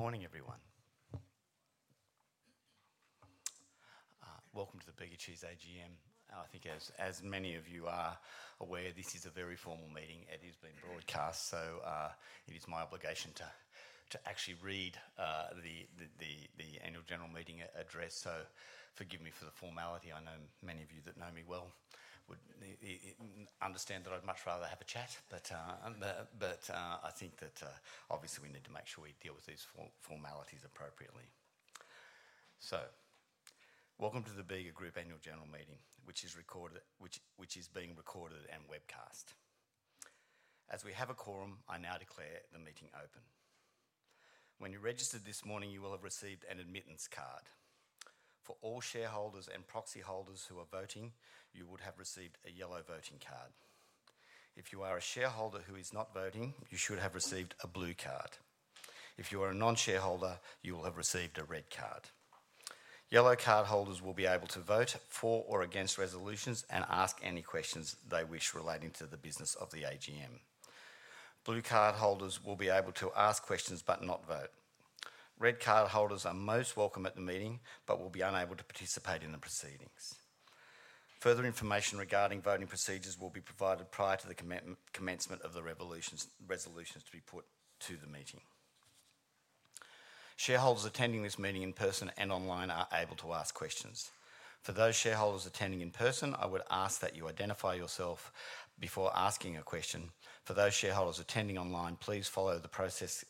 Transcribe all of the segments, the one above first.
Good morning, everyone. Welcome to the Bega Cheese AGM. I think, as many of you are aware, this is a very formal meeting. It is being broadcast, so it is my obligation to actually read the Annual General Meeting address. So forgive me for the formality. I know many of you that know me well would understand that I'd much rather have a chat, but I think that, obviously, we need to make sure we deal with these formalities appropriately. So welcome to the Bega Group Annual General Meeting, which is being recorded and webcast. As we have a quorum, I now declare the meeting open. When you registered this morning, you will have received an admittance card. For all shareholders and proxy holders who are voting, you would have received a yellow voting card. If you are a shareholder who is not voting, you should have received a blue card. If you are a non-shareholder, you will have received a red card. Yellow card holders will be able to vote for or against resolutions and ask any questions they wish relating to the business of the AGM. Blue card holders will be able to ask questions but not vote. Red card holders are most welcome at the meeting but will be unable to participate in the proceedings. Further information regarding voting procedures will be provided prior to the commencement of the resolutions to be put to the meeting. Shareholders attending this meeting in person and online are able to ask questions. For those shareholders attending in person, I would ask that you identify yourself before asking a question. For those shareholders attending online, please follow the process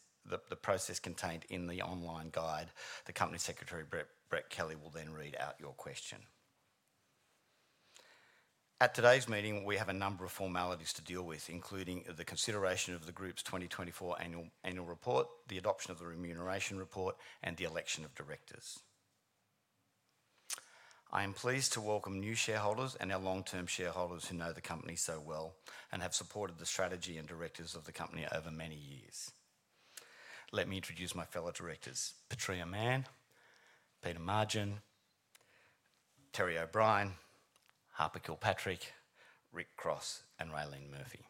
contained in the online guide. The Company Secretary, Brett Kelly, will then read out your question. At today's meeting, we have a number of formalities to deal with, including the consideration of the Group's 2024 Annual Report, the adoption of the remuneration report, and the election of directors. I am pleased to welcome new shareholders and our long-term shareholders who know the company so well and have supported the strategy and directives of the company over many years. Let me introduce my fellow directors: Patria Mann, Peter Margin, Terry O'Brien, Harper Kilpatrick, Rick Cross, and Raelene Murphy.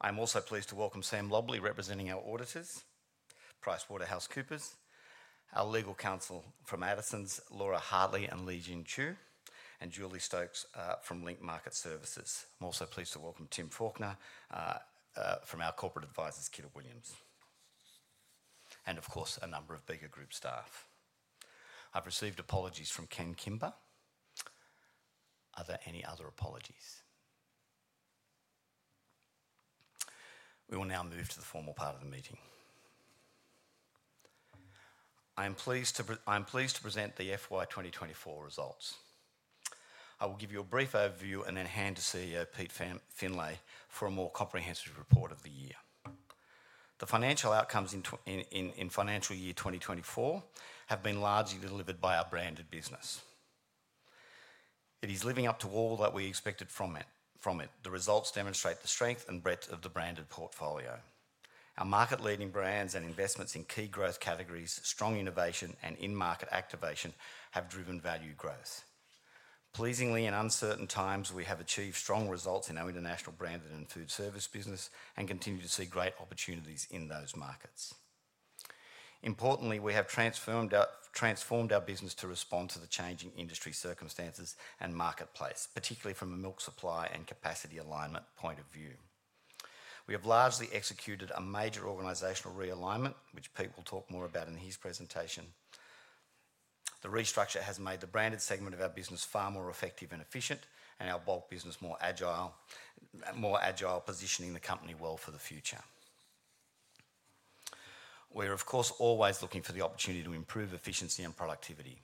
I am also pleased to welcome Sam Lobley, representing our auditors, PricewaterhouseCoopers, our legal counsel from Addisons, Laura Hartley and Li-Jean Chew, and Julie Stokes from Link Market Services. I'm also pleased to welcome Tim Faulkner from our Corporate Advisors, Kidder Williams, and, of course, a number of Bega Group staff. I've received apologies from Ken Kimber. Are there any other apologies? We will now move to the formal part of the meeting. I am pleased to present the FY 2024 results. I will give you a brief overview and then hand to CEO Pete Findlay for a more comprehensive report of the year. The financial outcomes in financial year 2024 have been largely delivered by our branded business. It is living up to all that we expected from it. The results demonstrate the strength and breadth of the branded portfolio. Our market-leading brands and investments in key growth categories, strong innovation, and in-market activation have driven value growth. Pleasingly, in uncertain times, we have achieved strong results in our international branded and food service business and continue to see great opportunities in those markets. Importantly, we have transformed our business to respond to the changing industry circumstances and marketplace, particularly from a milk supply and capacity alignment point of view. We have largely executed a major organizational realignment, which Pete will talk more about in his presentation. The restructure has made the branded segment of our business far more effective and efficient, and our bulk business more agile, positioning the company well for the future. We are, of course, always looking for the opportunity to improve efficiency and productivity.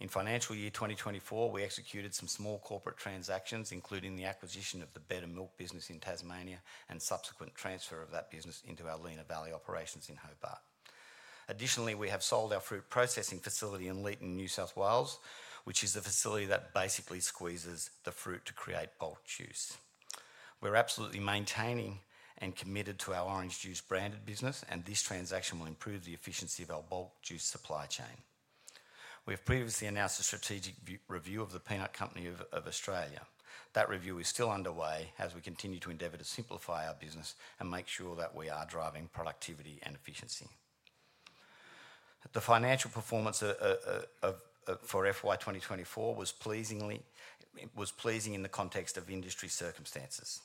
In financial year 2024, we executed some small corporate transactions, including the acquisition of the Betta Milk business in Tasmania and subsequent transfer of that business into our Lenah Valley operations in Hobart. Additionally, we have sold our fruit processing facility in Leeton, New South Wales, which is the facility that basically squeezes the fruit to create bulk juice. We're absolutely maintaining and committed to our orange juice branded business, and this transaction will improve the efficiency of our bulk juice supply chain. We have previously announced a strategic review of the Peanut Company of Australia. That review is still underway as we continue to endeavor to simplify our business and make sure that we are driving productivity and efficiency. The financial performance for FY 2024 was pleasing in the context of industry circumstances.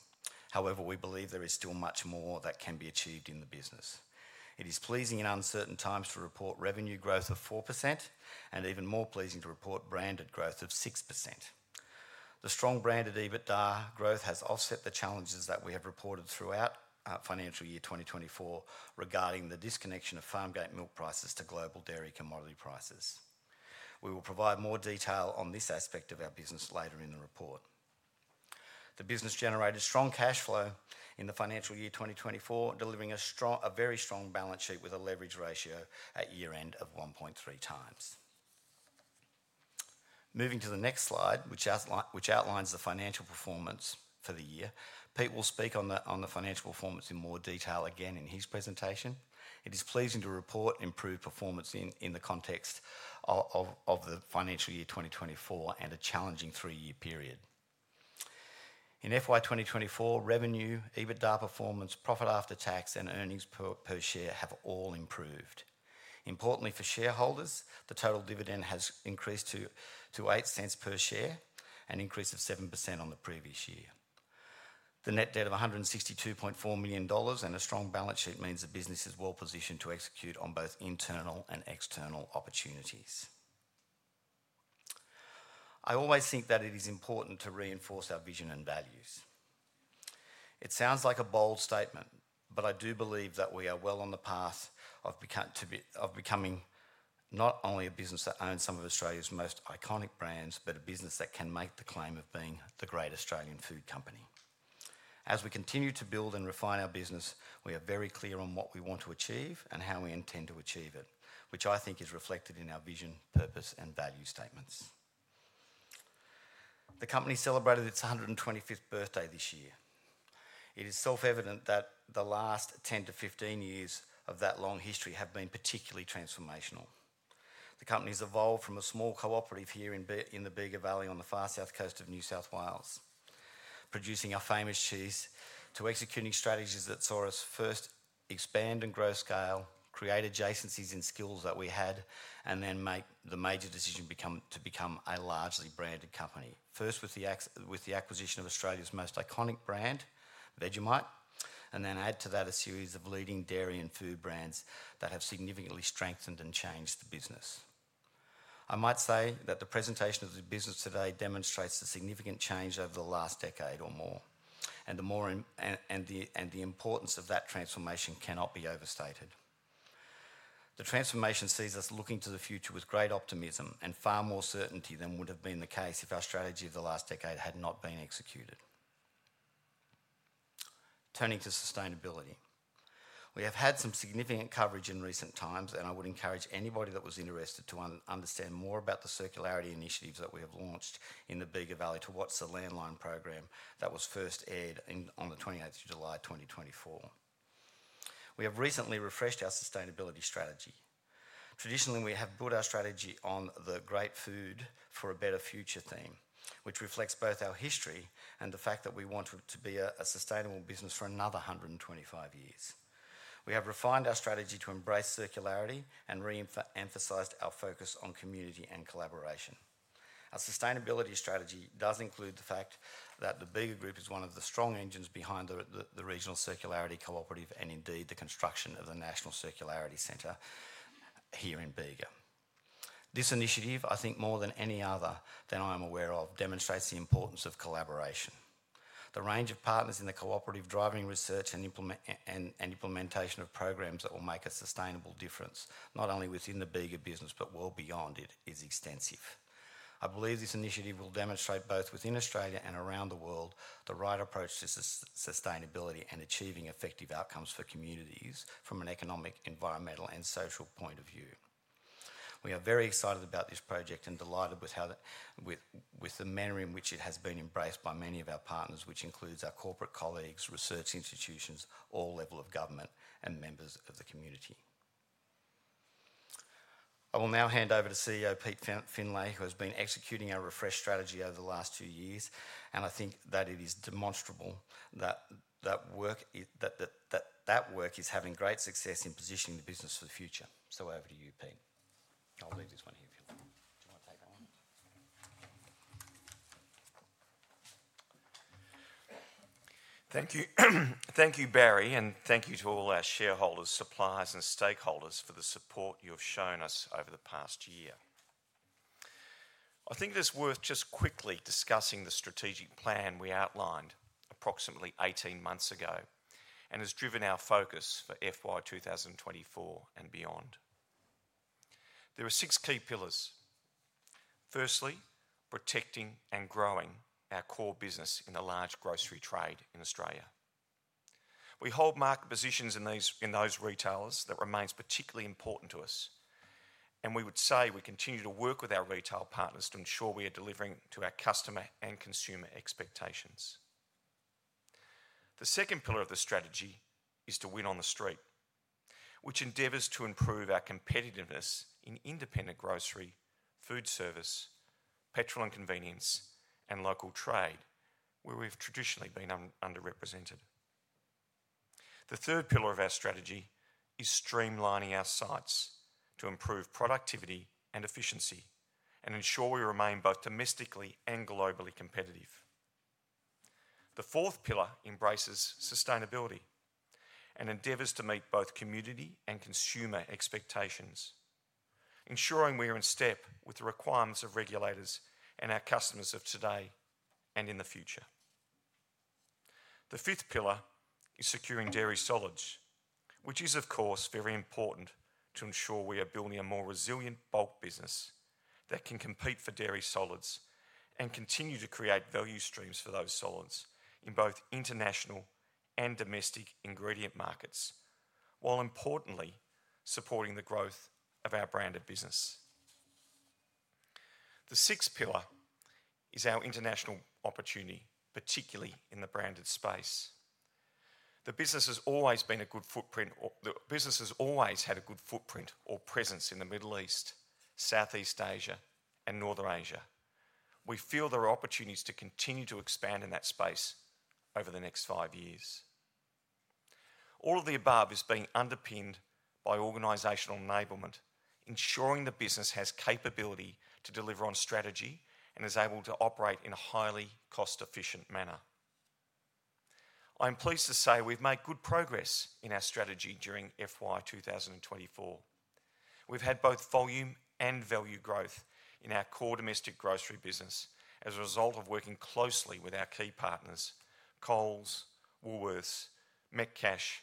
However, we believe there is still much more that can be achieved in the business. It is pleasing in uncertain times to report revenue growth of 4% and even more pleasing to report branded growth of 6%. The strong branded EBITDA growth has offset the challenges that we have reported throughout financial year 2024 regarding the disconnection of farm gate milk prices to global dairy commodity prices. We will provide more detail on this aspect of our business later in the report. The business generated strong cash flow in the financial year 2024, delivering a very strong balance sheet with a leverage ratio at year-end of 1.3 times. Moving to the next slide, which outlines the financial performance for the year, Pete will speak on the financial performance in more detail again in his presentation. It is pleasing to report improved performance in the context of the financial year 2024 and a challenging three-year period. In FY 2024, revenue, EBITDA performance, profit after tax, and earnings per share have all improved. Importantly for shareholders, the total dividend has increased to 0.08 per share, an increase of 7% on the previous year. The net debt of 162.4 million dollars and a strong balance sheet means the business is well positioned to execute on both internal and external opportunities. I always think that it is important to reinforce our vision and values. It sounds like a bold statement, but I do believe that we are well on the path of becoming not only a business that owns some of Australia's most iconic brands, but a business that can make the claim of being the great Australian food company. As we continue to build and refine our business, we are very clear on what we want to achieve and how we intend to achieve it, which I think is reflected in our vision, purpose, and value statements. The company celebrated its 125th birthday this year. It is self-evident that the last 10 to 15 years of that long history have been particularly transformational. The company has evolved from a small cooperative here in the Bega Valley on the far south coast of New South Wales, producing our famous cheese, to executing strategies that saw us first expand and grow scale, create adjacencies in skills that we had, and then make the major decision to become a largely branded company. First, with the acquisition of Australia's most iconic brand, Vegemite, and then add to that a series of leading dairy and food brands that have significantly strengthened and changed the business. I might say that the presentation of the business today demonstrates a significant change over the last decade or more, and the importance of that transformation cannot be overstated. The transformation sees us looking to the future with great optimism and far more certainty than would have been the case if our strategy of the last decade had not been executed. Turning to sustainability, we have had some significant coverage in recent times, and I would encourage anybody that was interested to understand more about the circularity initiatives that we have launched in the Bega Valley to watch the Landline program that was first aired on the 28th of July, 2024. We have recently refreshed our sustainability strategy. Traditionally, we have built our strategy on the great food for a better future theme, which reflects both our history and the fact that we want to be a sustainable business for another 125 years. We have refined our strategy to embrace circularity and re-emphasized our focus on community and collaboration. Our sustainability strategy does include the fact that the Bega Group is one of the strong engines behind the regional circularity cooperative and indeed the construction of the National Circularity Centre here in Bega. This initiative, I think more than any other that I am aware of, demonstrates the importance of collaboration. The range of partners in the cooperative driving research and implementation of programs that will make a sustainable difference, not only within the Bega business but well beyond it, is extensive. I believe this initiative will demonstrate both within Australia and around the world the right approach to sustainability and achieving effective outcomes for communities from an economic, environmental, and social point of view. We are very excited about this project and delighted with the manner in which it has been embraced by many of our partners, which includes our corporate colleagues, research institutions, all levels of government, and members of the community. I will now hand over to CEO Pete Findlay, who has been executing our refreshed strategy over the last two years, and I think that it is demonstrable that that work is having great success in positioning the business for the future. So over to you, Pete. I'll leave this one here if you want. Do you want to take that one? Thank you. Thank you, Barry, and thank you to all our shareholders, suppliers, and stakeholders for the support you have shown us over the past year. I think it's worth just quickly discussing the strategic plan we outlined approximately 18 months ago and has driven our focus for FY 2024 and beyond. There are six key pillars. Firstly, protecting and growing our core business in the large grocery trade in Australia. We hold market positions in those retailers that remain particularly important to us, and we would say we continue to work with our retail partners to ensure we are delivering to our customer and consumer expectations. The second pillar of the strategy is to win on the street, which endeavors to improve our competitiveness in independent grocery, food service, petrol and convenience, and local trade, where we have traditionally been underrepresented. The third pillar of our strategy is streamlining our sites to improve productivity and efficiency and ensure we remain both domestically and globally competitive. The fourth pillar embraces sustainability and endeavors to meet both community and consumer expectations, ensuring we are in step with the requirements of regulators and our customers of today and in the future. The fifth pillar is securing dairy solids, which is, of course, very important to ensure we are building a more resilient bulk business that can compete for dairy solids and continue to create value streams for those solids in both international and domestic ingredient markets, while importantly supporting the growth of our branded business. The sixth pillar is our international opportunity, particularly in the branded space. The business has always had a good footprint or presence in the Middle East, Southeast Asia, and Northern Asia. We feel there are opportunities to continue to expand in that space over the next five years. All of the above is being underpinned by organizational enablement, ensuring the business has capability to deliver on strategy and is able to operate in a highly cost-efficient manner. I am pleased to say we've made good progress in our strategy during FY 2024. We've had both volume and value growth in our core domestic grocery business as a result of working closely with our key partners: Coles, Woolworths, Metcash,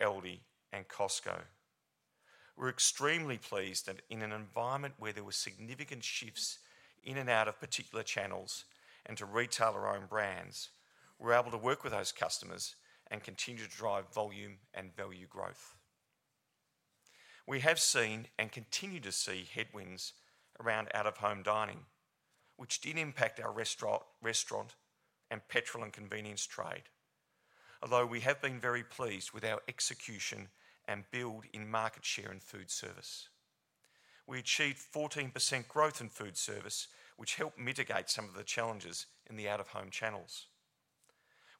Aldi, and Costco. We're extremely pleased that in an environment where there were significant shifts in and out of particular channels and to retail our own brands, we're able to work with those customers and continue to drive volume and value growth. We have seen and continue to see headwinds around out-of-home dining, which did impact our restaurant and petrol and convenience trade, although we have been very pleased with our execution and build in market share in food service. We achieved 14% growth in food service, which helped mitigate some of the challenges in the out-of-home channels.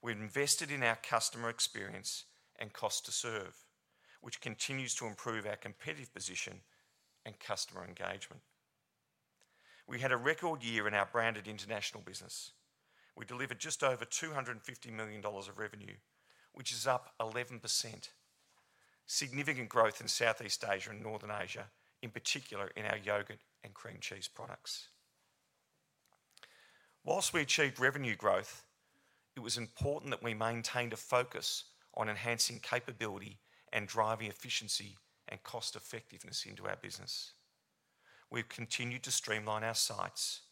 We invested in our customer experience and cost to serve, which continues to improve our competitive position and customer engagement. We had a record year in our branded international business. We delivered just over 250 million dollars of revenue, which is up 11%. Significant growth in Southeast Asia and Northern Asia, in particular in our yogurt and cream cheese products. While we achieved revenue growth, it was important that we maintained a focus on enhancing capability and driving efficiency and cost-effectiveness into our business. We have continued to streamline our sites,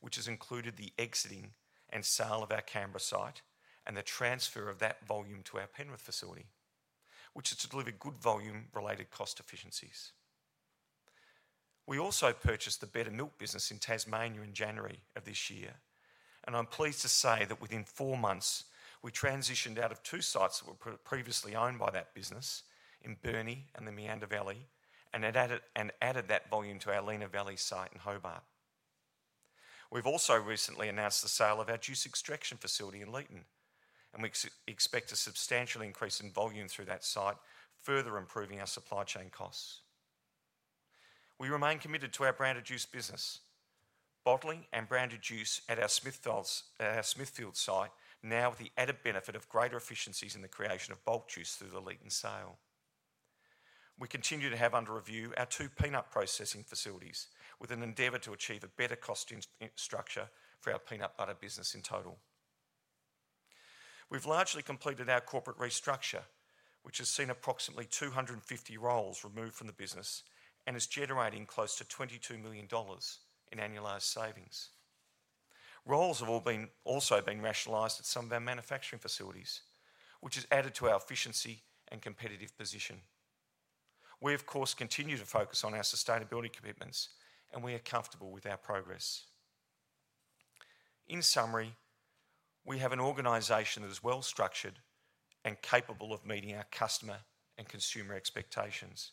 which has included the exiting and sale of our Canberra site and the transfer of that volume to our Penrith facility, which has delivered good volume-related cost efficiencies. We also purchased the Betta Milk business in Tasmania in January of this year, and I'm pleased to say that within four months, we transitioned out of two sites that were previously owned by that business in Burnie and the Meander Valley and added that volume to our Lenah Valley site in Hobart. We've also recently announced the sale of our juice extraction facility in Leeton, and we expect a substantial increase in volume through that site, further improving our supply chain costs. We remain committed to our branded juice business, bottling and branded juice at our Smithfield site, now with the added benefit of greater efficiencies in the creation of bulk juice through the Leeton sale. We continue to have under review our two peanut processing facilities with an endeavor to achieve a better cost structure for our peanut butter business in total. We've largely completed our corporate restructure, which has seen approximately 250 roles removed from the business and is generating close to 22 million dollars in annualized savings. Roles have also been rationalised at some of our manufacturing facilities, which has added to our efficiency and competitive position. We, of course, continue to focus on our sustainability commitments, and we are comfortable with our progress. In summary, we have an organization that is well structured and capable of meeting our customer and consumer expectations,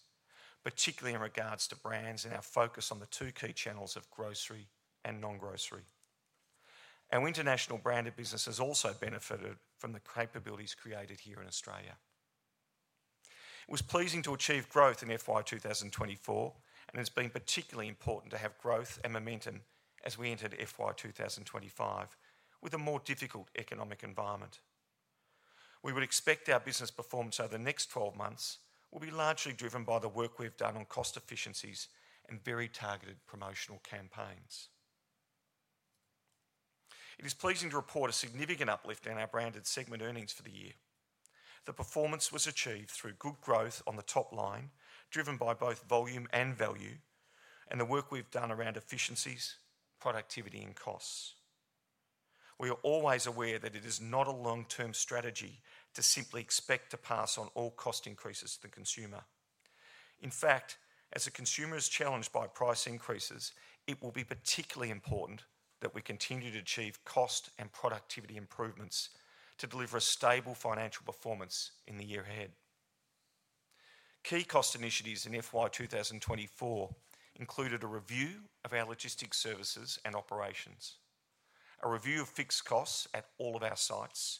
particularly in regards to brands and our focus on the two key channels of grocery and non-grocery. Our international branded business has also benefited from the capabilities created here in Australia. It was pleasing to achieve growth in FY 2024, and it's been particularly important to have growth and momentum as we entered FY 2025 with a more difficult economic environment. We would expect our business performance over the next 12 months will be largely driven by the work we've done on cost efficiencies and very targeted promotional campaigns. It is pleasing to report a significant uplift in our branded segment earnings for the year. The performance was achieved through good growth on the top line, driven by both volume and value, and the work we've done around efficiencies, productivity, and costs. We are always aware that it is not a long-term strategy to simply expect to pass on all cost increases to the consumer. In fact, as the consumer is challenged by price increases, it will be particularly important that we continue to achieve cost and productivity improvements to deliver a stable financial performance in the year ahead. Key cost initiatives in FY 2024 included a review of our logistics services and operations, a review of fixed costs at all of our sites,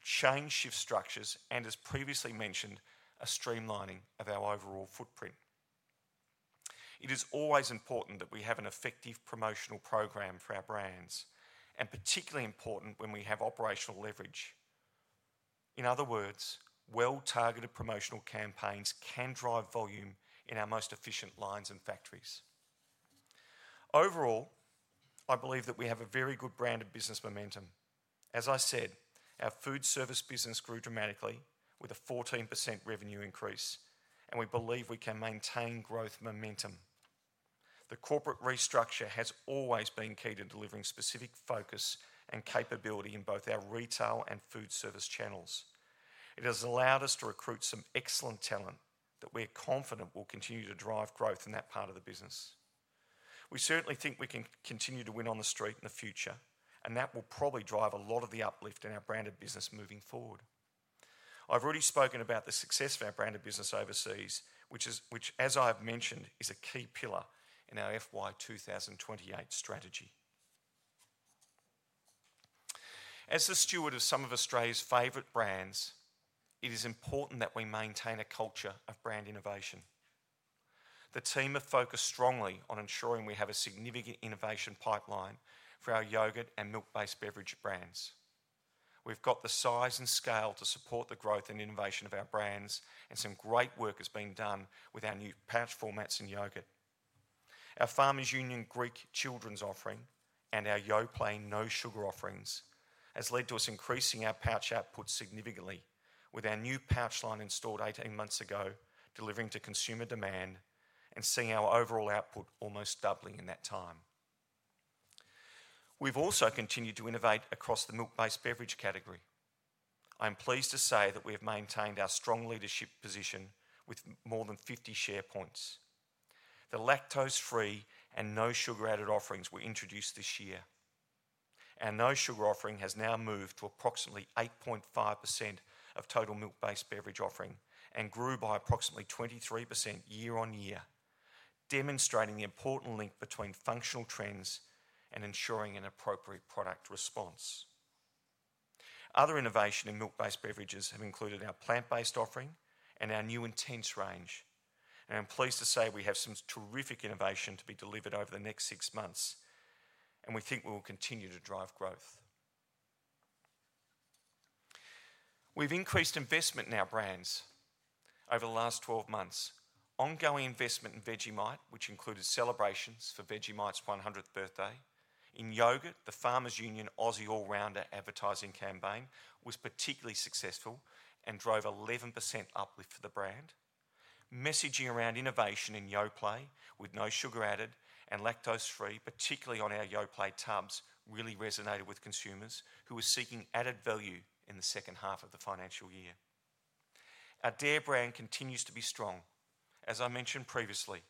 change shift structures, and, as previously mentioned, a streamlining of our overall footprint. It is always important that we have an effective promotional program for our brands, and particularly important when we have operational leverage. In other words, well-targeted promotional campaigns can drive volume in our most efficient lines and factories. Overall, I believe that we have a very good branded business momentum. As I said, our food service business grew dramatically with a 14% revenue increase, and we believe we can maintain growth momentum. The corporate restructure has always been key to delivering specific focus and capability in both our retail and food service channels. It has allowed us to recruit some excellent talent that we are confident will continue to drive growth in that part of the business. We certainly think we can continue to win on the street in the future, and that will probably drive a lot of the uplift in our branded business moving forward. I've already spoken about the success of our branded business overseas, which, as I have mentioned, is a key pillar in our FY 2028 strategy. As the steward of some of Australia's favorite brands, it is important that we maintain a culture of brand innovation. The team have focused strongly on ensuring we have a significant innovation pipeline for our yogurt and milk-based beverage brands. We've got the size and scale to support the growth and innovation of our brands, and some great work has been done with our new pouch formats in yogurt. Our Farmers Union Greek children's offering and our Yoplait no sugar offerings has led to us increasing our pouch output significantly, with our new pouch line installed 18 months ago, delivering to consumer demand and seeing our overall output almost doubling in that time. We've also continued to innovate across the milk-based beverage category. I am pleased to say that we have maintained our strong leadership position with more than 50 share points. The lactose-free and no sugar-added offerings were introduced this year. Our no sugar offering has now moved to approximately 8.5% of total milk-based beverage offering and grew by approximately 23% year on year, demonstrating the important link between functional trends and ensuring an appropriate product response. Other innovation in milk-based beverages have included our plant-based offering and our new intense range. I am pleased to say we have some terrific innovation to be delivered over the next six months, and we think we will continue to drive growth. We've increased investment in our brands over the last 12 months. Ongoing investment in Vegemite, which included celebrations for Vegemite's 100th birthday. In yogurt, the Farmers Union Aussie All-Rounder advertising campaign was particularly successful and drove 11% uplift for the brand. Messaging around innovation in Yoplait with no sugar added and lactose-free, particularly on our Yoplait tubs, really resonated with consumers who were seeking added value in the second half of the financial year. Our Dare brand continues to be strong. As I mentioned previously,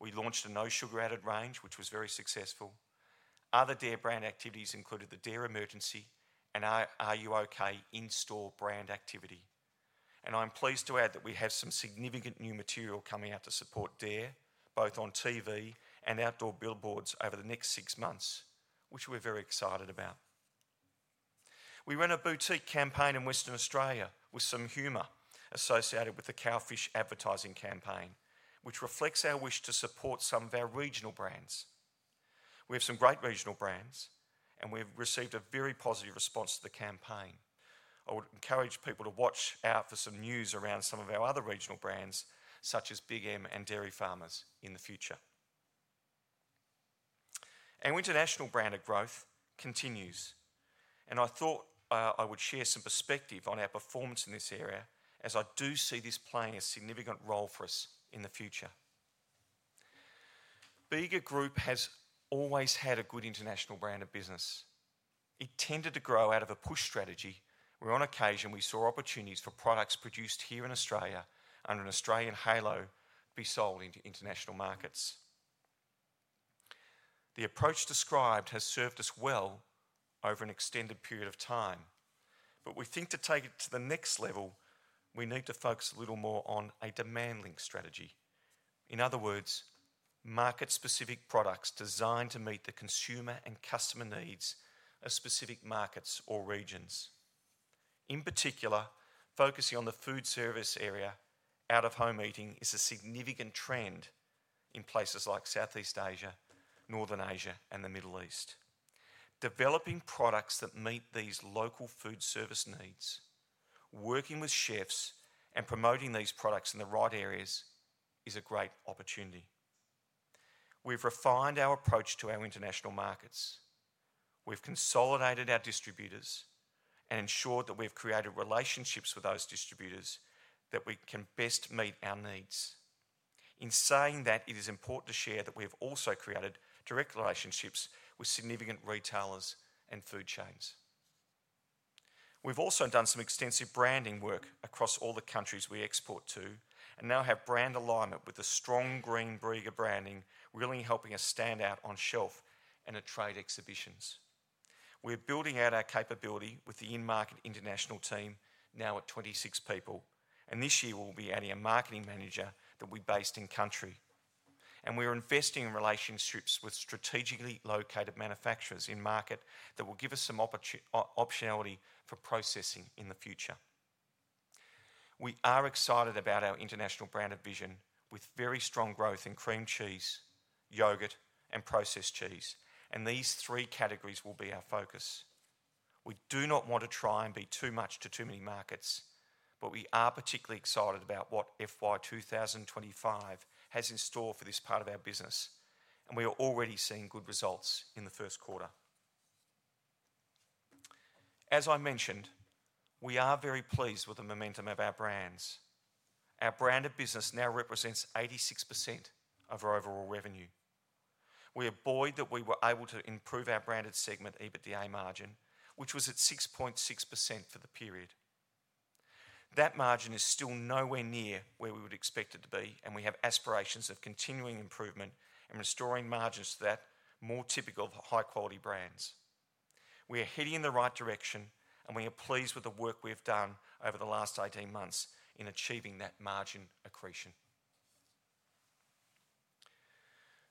we launched a no sugar-added range, which was very successful. Other Dare brand activities included the Daremergency and our Are You Okay in-store brand activity. And I'm pleased to add that we have some significant new material coming out to support Dare, both on TV and outdoor billboards over the next six months, which we're very excited about. We ran a boutique campaign in Western Australia with some humour associated with the Cowfish advertising campaign, which reflects our wish to support some of our regional brands. We have some great regional brands, and we've received a very positive response to the campaign. I would encourage people to watch out for some news around some of our other regional brands, such as Big M and Dairy Farmers, in the future. Our international branded growth continues, and I thought I would share some perspective on our performance in this area as I do see this playing a significant role for us in the future. Bega Group has always had a good international branded business. It tended to grow out of a push strategy where, on occasion, we saw opportunities for products produced here in Australia under an Australian halo be sold into international markets. The approach described has served us well over an extended period of time, but we think to take it to the next level, we need to focus a little more on a demand link strategy. In other words, market-specific products designed to meet the consumer and customer needs of specific markets or regions. In particular, focusing on the food service area, out-of-home eating is a significant trend in places like Southeast Asia, Northern Asia, and the Middle East. Developing products that meet these local food service needs, working with chefs, and promoting these products in the right areas is a great opportunity. We've refined our approach to our international markets. We've consolidated our distributors and ensured that we've created relationships with those distributors that can best meet our needs. In saying that, it is important to share that we have also created direct relationships with significant retailers and food chains. We've also done some extensive branding work across all the countries we export to and now have brand alignment with a strong Green Bega branding, really helping us stand out on shelf and at trade exhibitions. We're building out our capability with the in-market international team, now at 26 people, and this year we'll be adding a marketing manager that we based in country. And we are investing in relationships with strategically located manufacturers in market that will give us some optionality for processing in the future. We are excited about our international branded vision with very strong growth in cream cheese, yogurt, and processed cheese, and these three categories will be our focus. We do not want to try and be too much to too many markets, but we are particularly excited about what FY 2025 has in store for this part of our business, and we are already seeing good results in the first quarter. As I mentioned, we are very pleased with the momentum of our brands. Our branded business now represents 86% of our overall revenue. We are buoyed that we were able to improve our branded segment EBITDA margin, which was at 6.6% for the period. That margin is still nowhere near where we would expect it to be, and we have aspirations of continuing improvement and restoring margins to that more typical of high-quality brands. We are heading in the right direction, and we are pleased with the work we have done over the last 18 months in achieving that margin accretion.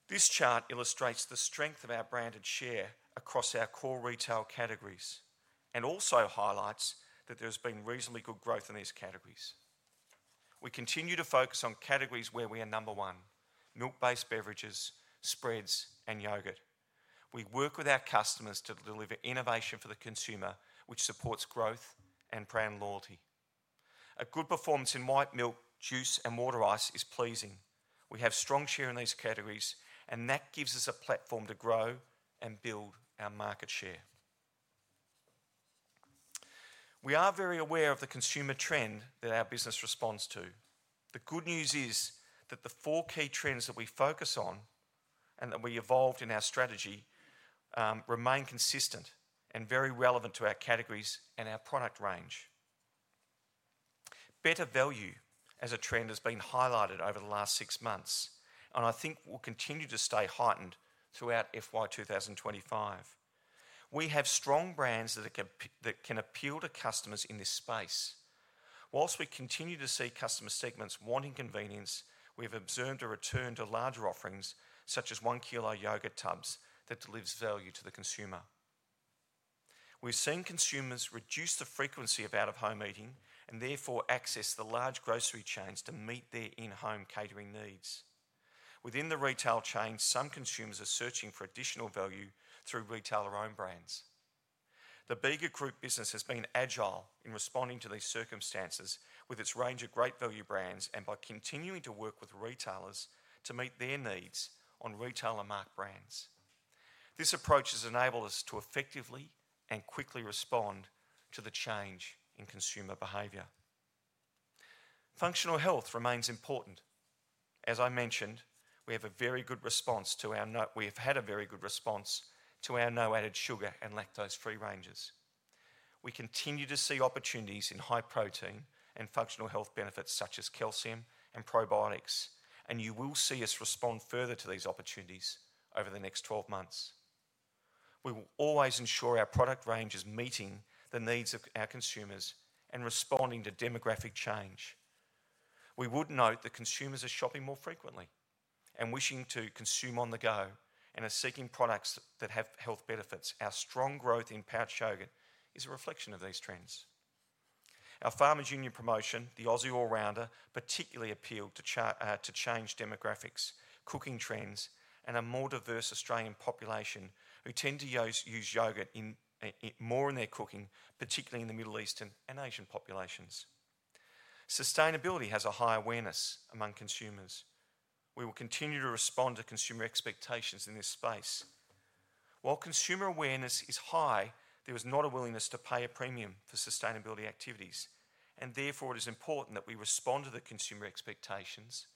This chart illustrates the strength of our branded share across our core retail categories and also highlights that there has been reasonably good growth in these categories. We continue to focus on categories where we are number one: milk-based beverages, spreads, and yogurt. We work with our customers to deliver innovation for the consumer, which supports growth and brand loyalty. A good performance in white milk, juice, and water ice is pleasing. We have strong share in these categories, and that gives us a platform to grow and build our market share. We are very aware of the consumer trend that our business responds to. The good news is that the four key trends that we focus on and that we evolved in our strategy remain consistent and very relevant to our categories and our product range. Better value, as a trend, has been highlighted over the last six months, and I think will continue to stay heightened throughout FY 2025. We have strong brands that can appeal to customers in this space. While we continue to see customer segments wanting convenience, we have observed a return to larger offerings, such as one-kilo yogurt tubs, that delivers value to the consumer. We've seen consumers reduce the frequency of out-of-home eating and therefore access the large grocery chains to meet their in-home catering needs. Within the retail chain, some consumers are searching for additional value through retailer-owned brands. The Bega Group business has been agile in responding to these circumstances with its range of great value brands and by continuing to work with retailers to meet their needs on retailer-marked brands. This approach has enabled us to effectively and quickly respond to the change in consumer behavior. Functional health remains important. As I mentioned, we have had a very good response to our no added sugar and lactose-free ranges. We continue to see opportunities in high protein and functional health benefits, such as calcium and probiotics, and you will see us respond further to these opportunities over the next 12 months. We will always ensure our product range is meeting the needs of our consumers and responding to demographic change. We would note that consumers are shopping more frequently and wishing to consume on the go and are seeking products that have health benefits. Our strong growth in pouch yogurt is a reflection of these trends. Our Farmers Union promotion, the Aussie All-Rounder, particularly appealed to changing demographics, cooking trends, and a more diverse Australian population who tend to use yogurt more in their cooking, particularly in the Middle East and Asian populations. Sustainability has a high awareness among consumers. We will continue to respond to consumer expectations in this space. While consumer awareness is high, there is not a willingness to pay a premium for sustainability activities, and therefore it is important that we respond to the consumer expectations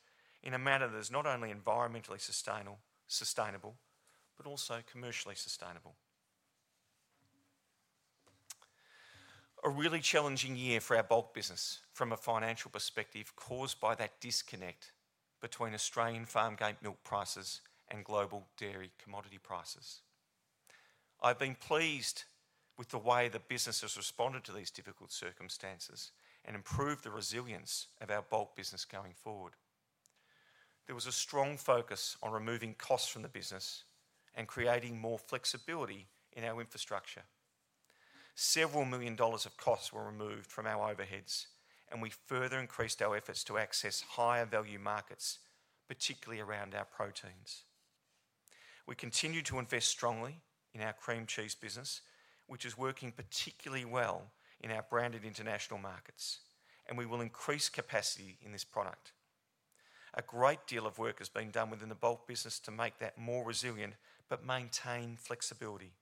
in a manner that is not only environmentally sustainable but also commercially sustainable. A really challenging year for our bulk business from a financial perspective caused by that disconnect between Australian farm gate milk prices and global dairy commodity prices. I've been pleased with the way the business has responded to these difficult circumstances and improved the resilience of our bulk business going forward. There was a strong focus on removing costs from the business and creating more flexibility in our infrastructure. Several million AUD of costs were removed from our overheads, and we further increased our efforts to access higher value markets, particularly around our proteins. We continue to invest strongly in our cream cheese business, which is working particularly well in our branded international markets, and we will increase capacity in this product. A great deal of work has been done within the bulk business to make that more resilient but maintain flexibility.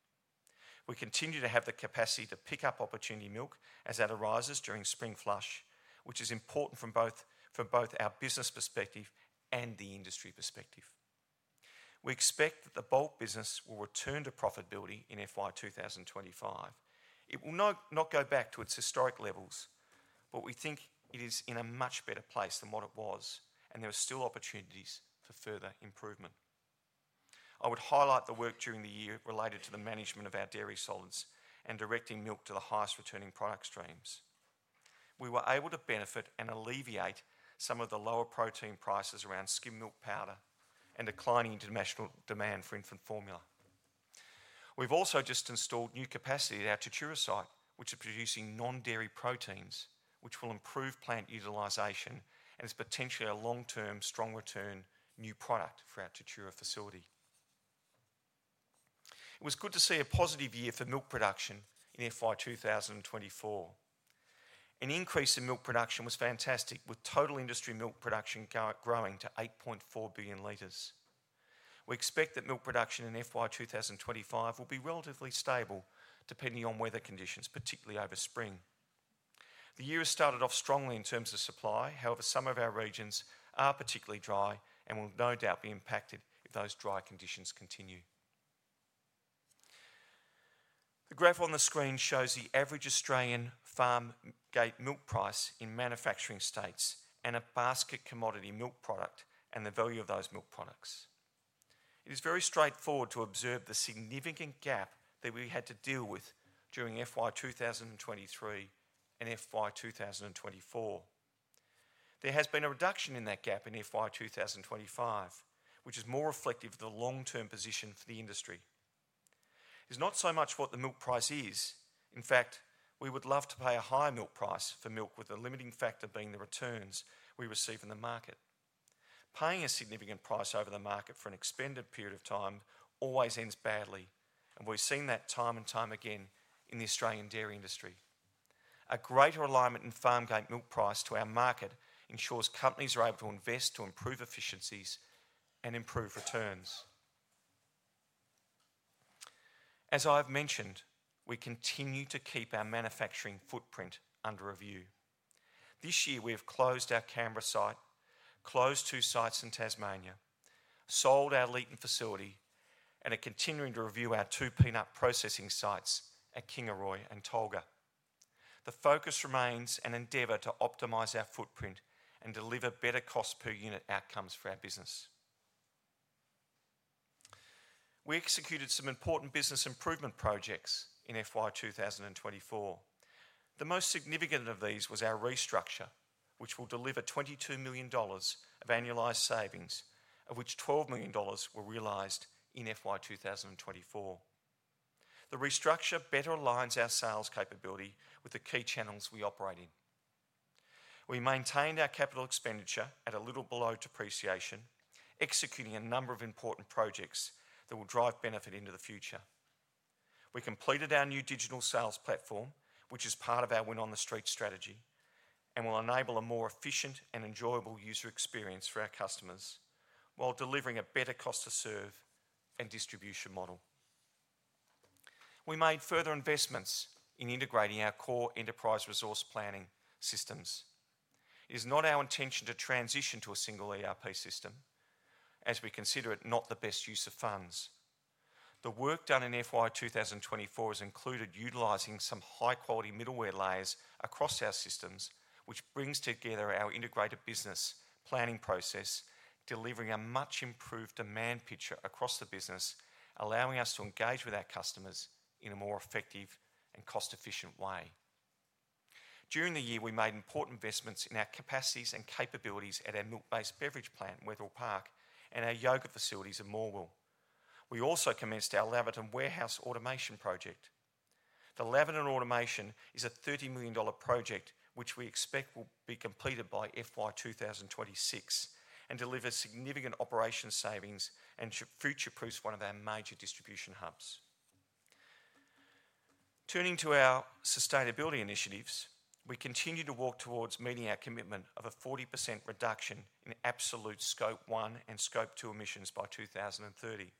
We continue to have the capacity to pick up opportunity milk as that arises during spring flush, which is important for both our business perspective and the industry perspective. We expect that the bulk business will return to profitability in FY 2025. It will not go back to its historic levels, but we think it is in a much better place than what it was, and there are still opportunities for further improvement. I would highlight the work during the year related to the management of our dairy solids and directing milk to the highest returning product streams. We were able to benefit and alleviate some of the lower protein prices around skim milk powder and declining international demand for infant formula. We've also just installed new capacity at our Tatura site, which is producing non-dairy proteins, which will improve plant utilization and is potentially a long-term strong return new product for our Tatura facility. It was good to see a positive year for milk production in FY 2024. An increase in milk production was fantastic, with total industry milk production growing to 8.4 billion liters. We expect that milk production in FY 2025 will be relatively stable depending on weather conditions, particularly over spring. The year has started off strongly in terms of supply, however, some of our regions are particularly dry and will no doubt be impacted if those dry conditions continue. The graph on the screen shows the average Australian farm gate milk price in manufacturing states and a basket commodity milk product and the value of those milk products. It is very straightforward to observe the significant gap that we had to deal with during FY 2023 and FY 2024. There has been a reduction in that gap in FY 2025, which is more reflective of the long-term position for the industry. It's not so much what the milk price is. In fact, we would love to pay a higher milk price for milk, with the limiting factor being the returns we receive in the market. Paying a significant price over the market for an extended period of time always ends badly, and we've seen that time and time again in the Australian dairy industry. A greater alignment in farm gate milk price to our market ensures companies are able to invest to improve efficiencies and improve returns. As I have mentioned, we continue to keep our manufacturing footprint under review. This year, we have closed our Canberra site, closed two sites in Tasmania, sold our Leeton facility, and are continuing to review our two peanut processing sites at Kingaroy and Tolga. The focus remains an endeavor to optimize our footprint and deliver better cost-per-unit outcomes for our business. We executed some important business improvement projects in FY 2024. The most significant of these was our restructure, which will deliver 22 million dollars of annualized savings, of which 12 million dollars were realized in FY 2024. The restructure better aligns our sales capability with the key channels we operate in. We maintained our capital expenditure at a little below depreciation, executing a number of important projects that will drive benefit into the future. We completed our new digital sales platform, which is part of our win-on-the-street strategy, and will enable a more efficient and enjoyable user experience for our customers while delivering a better cost-to-serve and distribution model. We made further investments in integrating our core enterprise resource planning systems. It is not our intention to transition to a single ERP system, as we consider it not the best use of funds. The work done in FY 2024 has included utilizing some high-quality middleware layers across our systems, which brings together our integrated business planning process, delivering a much improved demand picture across the business, allowing us to engage with our customers in a more effective and cost-efficient way. During the year, we made important investments in our capacities and capabilities at our milk-based beverage plant, Wetherill Park, and our yogurt facilities in Morwell. We also commenced our Lavender Warehouse automation project. The Lavender automation is a 30 million dollar project, which we expect will be completed by FY 2026 and delivers significant operational savings and should future-proof one of our major distribution hubs. Turning to our sustainability initiatives, we continue to work towards meeting our commitment of a 40% reduction in absolute Scope 1 and Scope 2 emissions by 2030.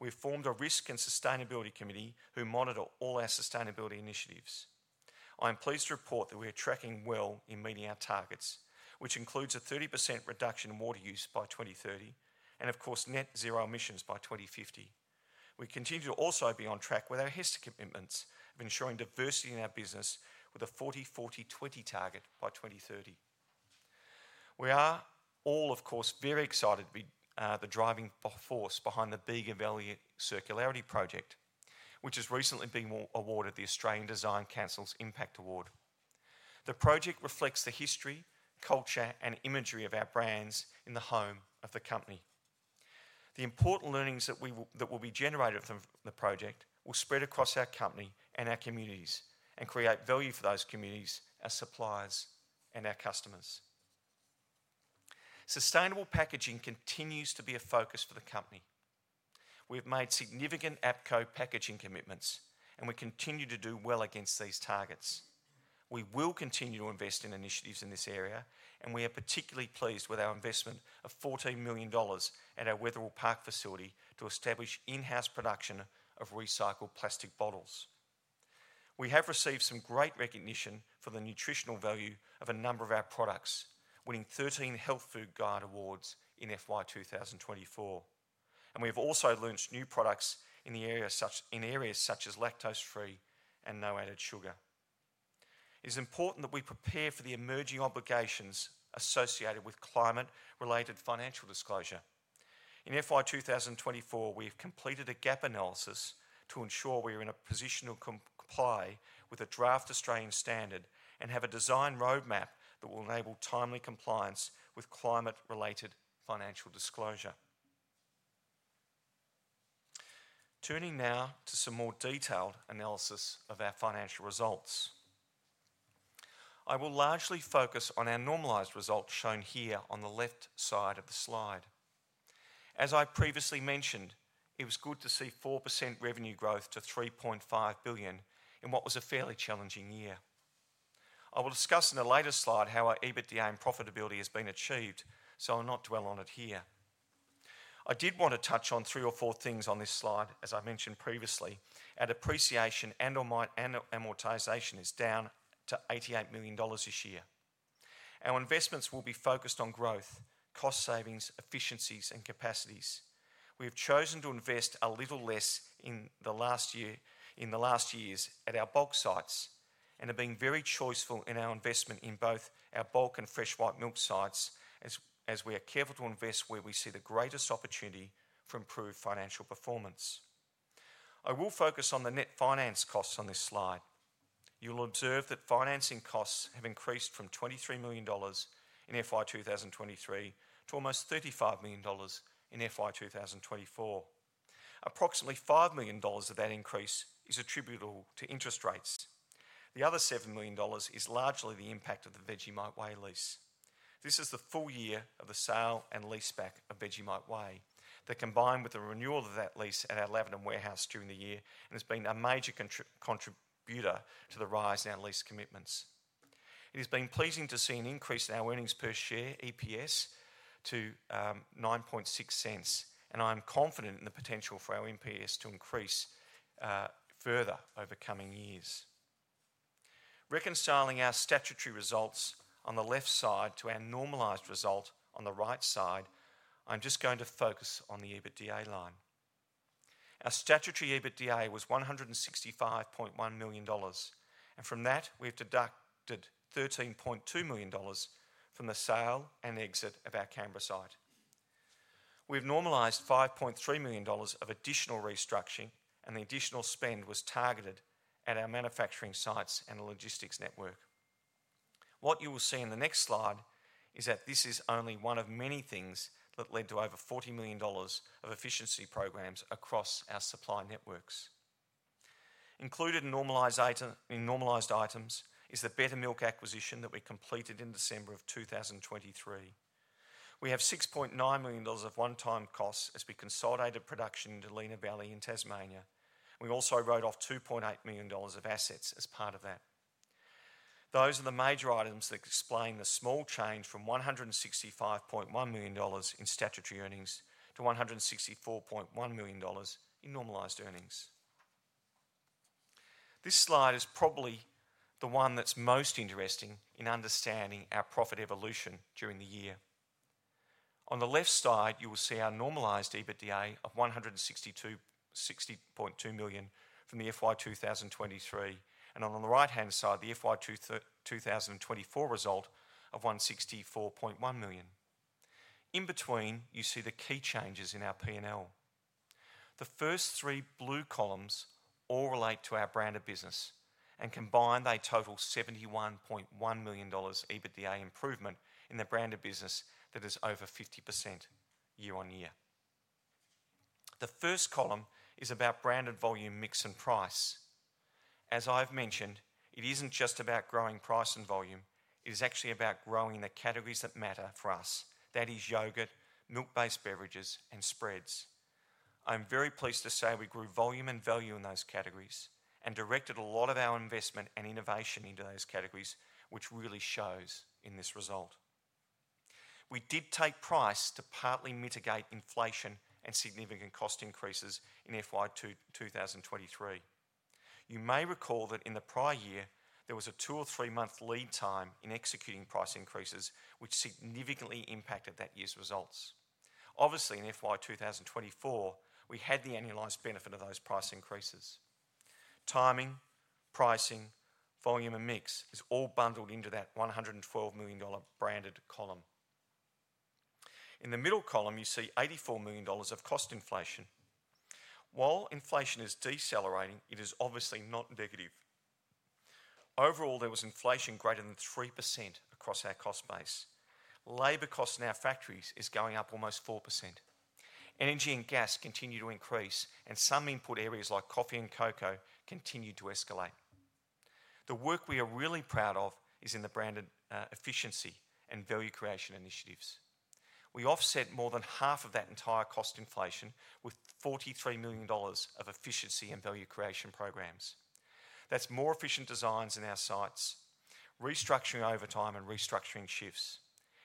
We've formed a risk and sustainability committee who monitor all our sustainability initiatives. I'm pleased to report that we are tracking well in meeting our targets, which includes a 30% reduction in water use by 2030 and, of course, net zero emissions by 2050. We continue to also be on track with our HESTA commitments of ensuring diversity in our business with a 40-40-20 target by 2030. We are all, of course, very excited to be the driving force behind the Bega Valley Circularity Project, which has recently been awarded the Australian Design Council's Impact Award. The project reflects the history, culture, and imagery of our brands in the home of the company. The important learnings that will be generated from the project will spread across our company and our communities and create value for those communities, our suppliers, and our customers. Sustainable packaging continues to be a focus for the company. We have made significant APCO packaging commitments, and we continue to do well against these targets. We will continue to invest in initiatives in this area, and we are particularly pleased with our investment of 14 million dollars at our Wetherill Park facility to establish in-house production of recycled plastic bottles. We have received some great recognition for the nutritional value of a number of our products, winning 13 Health Food Guide Awards in FY 2024, and we have also launched new products in areas such as lactose-free and no added sugar. It is important that we prepare for the emerging obligations associated with climate-related financial disclosure. In FY 2024, we have completed a gap analysis to ensure we are in a position to comply with a draft Australian standard and have a design roadmap that will enable timely compliance with climate-related financial disclosure. Turning now to some more detailed analysis of our financial results, I will largely focus on our normalized results shown here on the left side of the slide. As I previously mentioned, it was good to see 4% revenue growth to 3.5 billion in what was a fairly challenging year. I will discuss in the later slide how our EBITDA and profitability has been achieved, so I'll not dwell on it here. I did want to touch on three or four things on this slide, as I mentioned previously. Our depreciation and/or amortization is down to 88 million dollars this year. Our investments will be focused on growth, cost savings, efficiencies, and capacities. We have chosen to invest a little less in the last year in the last years at our bulk sites and have been very choiceful in our investment in both our bulk and fresh white milk sites, as we are careful to invest where we see the greatest opportunity for improved financial performance. I will focus on the net finance costs on this slide. You will observe that financing costs have increased from 23 million dollars in FY 2023 to almost 35 million dollars in FY 2024. Approximately 5 million dollars of that increase is attributable to interest rates. The other 7 million dollars is largely the impact of the Vegemite Way lease. This is the full year of the sale and leaseback of Vegemite Way that combined with the renewal of that lease at our Lavender Warehouse during the year and has been a major contributor to the rise in our lease commitments. It has been pleasing to see an increase in our earnings per share (EPS) to 0.096, and I am confident in the potential for our EPS to increase further over coming years. Reconciling our statutory results on the left side to our normalized result on the right side, I'm just going to focus on the EBITDA line. Our statutory EBITDA was 165.1 million dollars, and from that, we have deducted 13.2 million dollars from the sale and exit of our Canberra site. We have normalized 5.3 million dollars of additional restructuring, and the additional spend was targeted at our manufacturing sites and the logistics network. What you will see in the next slide is that this is only one of many things that led to over 40 million dollars of efficiency programs across our supply networks. Included in normalized items is the Betta Milk acquisition that we completed in December of 2023. We have 6.9 million dollars of one-time costs as we consolidated production into Lenah Valley in Tasmania, and we also wrote off 2.8 million dollars of assets as part of that. Those are the major items that explain the small change from 165.1 million dollars in statutory earnings to 164.1 million dollars in normalized earnings. This slide is probably the one that's most interesting in understanding our profit evolution during the year. On the left side, you will see our normalized EBITDA of 162.2 million from the FY 2023, and on the right-hand side, the FY 2024 result of 164.1 million. In between, you see the key changes in our P&L. The first three blue columns all relate to our branded business, and combined, they total 71.1 million dollars EBITDA improvement in the branded business that is over 50% year on year. The first column is about branded volume, mix, and price. As I've mentioned, it isn't just about growing price and volume. It is actually about growing the categories that matter for us. That is yogurt, milk-based beverages, and spreads. I'm very pleased to say we grew volume and value in those categories and directed a lot of our investment and innovation into those categories, which really shows in this result. We did take price to partly mitigate inflation and significant cost increases in FY 2023. You may recall that in the prior year, there was a two or three-month lead time in executing price increases, which significantly impacted that year's results. Obviously, in FY 2024, we had the annualized benefit of those price increases. Timing, pricing, volume, and mix is all bundled into that 112 million dollar branded column. In the middle column, you see 84 million dollars of cost inflation. While inflation is decelerating, it is obviously not negative. Overall, there was inflation greater than 3% across our cost base. Labor costs in our factories are going up almost 4%. Energy and gas continue to increase, and some input areas like coffee and cocoa continue to escalate. The work we are really proud of is in the branded efficiency and value creation initiatives. We offset more than half of that entire cost inflation with 43 million dollars of efficiency and value creation programs. That's more efficient designs in our sites, restructuring over time, and restructuring shifts.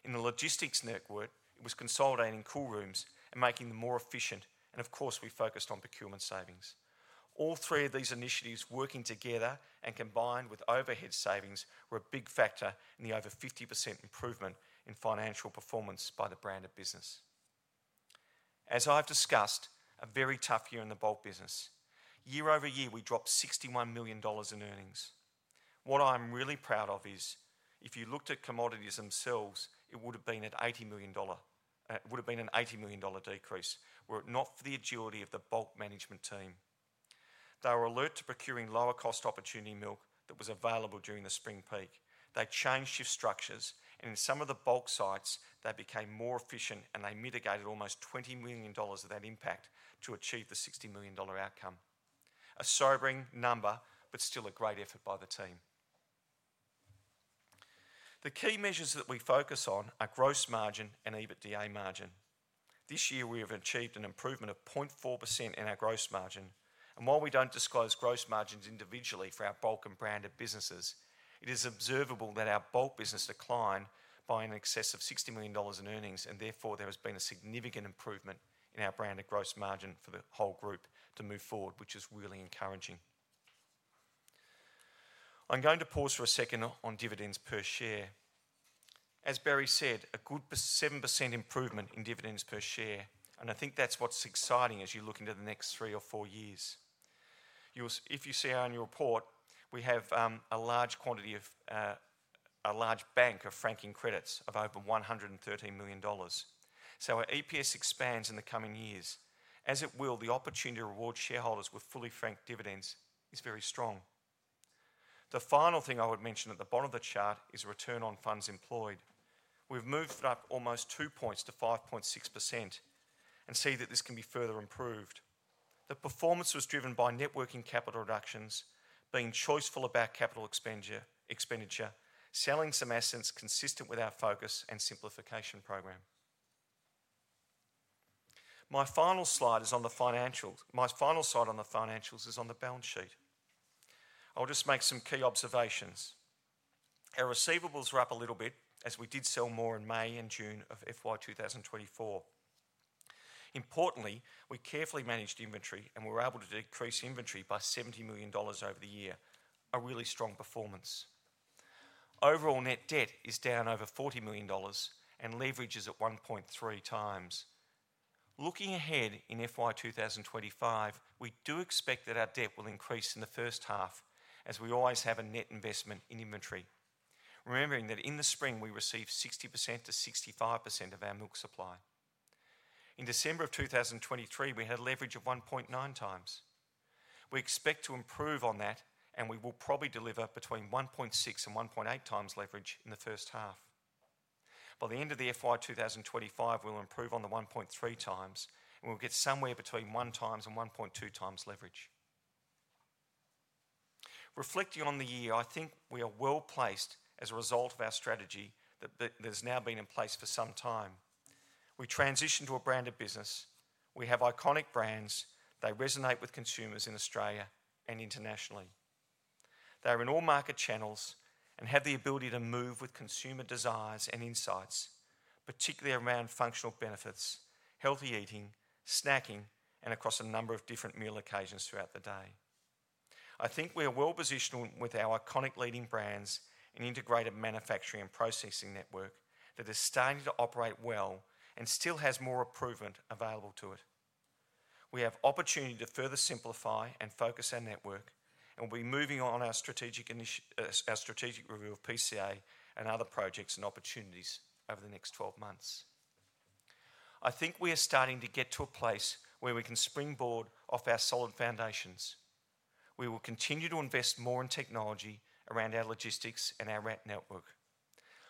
In the logistics network, it was consolidating cool rooms and making them more efficient, and of course, we focused on procurement savings. All three of these initiatives working together and combined with overhead savings were a big factor in the over 50% improvement in financial performance by the branded business. As I've discussed, a very tough year in the bulk business. Year over year, we dropped 61 million dollars in earnings. What I'm really proud of is, if you looked at commodities themselves, it would have been an 80 million dollar decrease, were it not for the agility of the bulk management team. They were alert to procuring lower-cost opportunity milk that was available during the spring flush. They changed shift structures, and in some of the bulk sites, they became more efficient, and they mitigated almost 20 million dollars of that impact to achieve the 60 million dollar outcome. A sobering number, but still a great effort by the team. The key measures that we focus on are gross margin and EBITDA margin. This year, we have achieved an improvement of 0.4% in our gross margin, and while we don't disclose gross margins individually for our bulk and branded businesses, it is observable that our bulk business declined by in excess of 60 million dollars in earnings, and therefore, there has been a significant improvement in our branded gross margin for the whole group to move forward, which is really encouraging. I'm going to pause for a second on dividends per share. As Barry said, a good 7% improvement in dividends per share, and I think that's what's exciting as you look into the next three or four years. If you see our annual report, we have a large quantity of a large bank of franking credits of over 113 million dollars. So our EPS expands in the coming years. As it will, the opportunity to reward shareholders with fully franked dividends is very strong. The final thing I would mention at the bottom of the chart is return on funds employed. We've moved up almost two points to 5.6% and see that this can be further improved. The performance was driven by net working capital reductions, being choiceful about capital expenditure, selling some assets consistent with our focus and simplification program. My final slide is on the financials. My final slide on the financials is on the balance sheet. I'll just make some key observations. Our receivables were up a little bit as we did sell more in May and June of FY 2024. Importantly, we carefully managed inventory and were able to decrease inventory by 70 million dollars over the year, a really strong performance. Overall net debt is down over 40 million dollars and leverage is at 1.3 times. Looking ahead in FY 2025, we do expect that our debt will increase in the first half, as we always have a net investment in inventory, remembering that in the spring, we received 60% to 65% of our milk supply. In December of 2023, we had a leverage of 1.9 times. We expect to improve on that, and we will probably deliver between 1.6 and 1.8 times leverage in the first half. By the end of the FY 2025, we'll improve on the 1.3 times, and we'll get somewhere between one times and 1.2 times leverage. Reflecting on the year, I think we are well placed as a result of our strategy that has now been in place for some time. We transitioned to a branded business. We have iconic brands. They resonate with consumers in Australia and internationally. They are in all market channels and have the ability to move with consumer desires and insights, particularly around functional benefits, healthy eating, snacking, and across a number of different meal occasions throughout the day. I think we are well positioned with our iconic leading brands and integrated manufacturing and processing network that is starting to operate well and still has more improvement available to it. We have opportunity to further simplify and focus our network, and we'll be moving on our strategic review of PCA and other projects and opportunities over the next 12 months. I think we are starting to get to a place where we can springboard off our solid foundations. We will continue to invest more in technology around our logistics and our route network.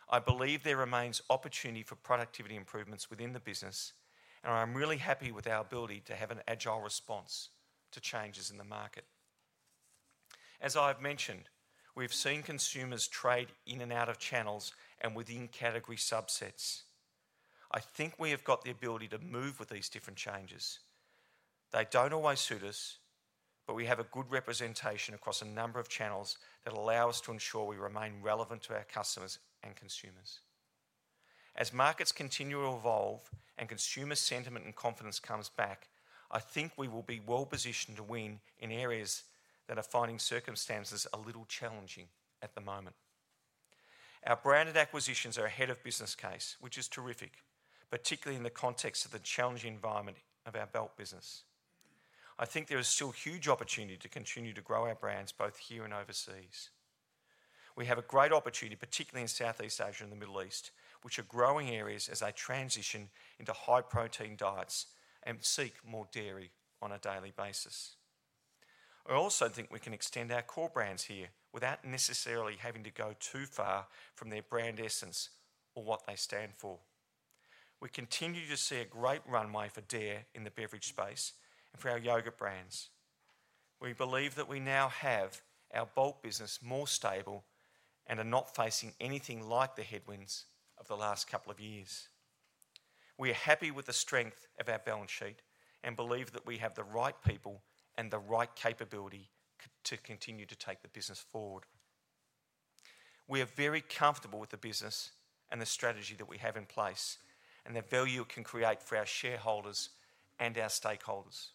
I believe there remains opportunity for productivity improvements within the business, and I'm really happy with our ability to have an agile response to changes in the market. As I've mentioned, we've seen consumers trade in and out of channels and within category subsets. I think we have got the ability to move with these different changes. They don't always suit us, but we have a good representation across a number of channels that allow us to ensure we remain relevant to our customers and consumers. As markets continue to evolve and consumer sentiment and confidence comes back, I think we will be well positioned to win in areas that are finding circumstances a little challenging at the moment. Our branded acquisitions are ahead of business case, which is terrific, particularly in the context of the challenging environment of our bulk business. I think there is still huge opportunity to continue to grow our brands both here and overseas. We have a great opportunity, particularly in Southeast Asia and the Middle East, which are growing areas as they transition into high-protein diets and seek more dairy on a daily basis. I also think we can extend our core brands here without necessarily having to go too far from their brand essence or what they stand for. We continue to see a great runway for Dare in the beverage space and for our yogurt brands. We believe that we now have our bulk business more stable and are not facing anything like the headwinds of the last couple of years. We are happy with the strength of our balance sheet and believe that we have the right people and the right capability to continue to take the business forward. We are very comfortable with the business and the strategy that we have in place and the value it can create for our shareholders and our stakeholders.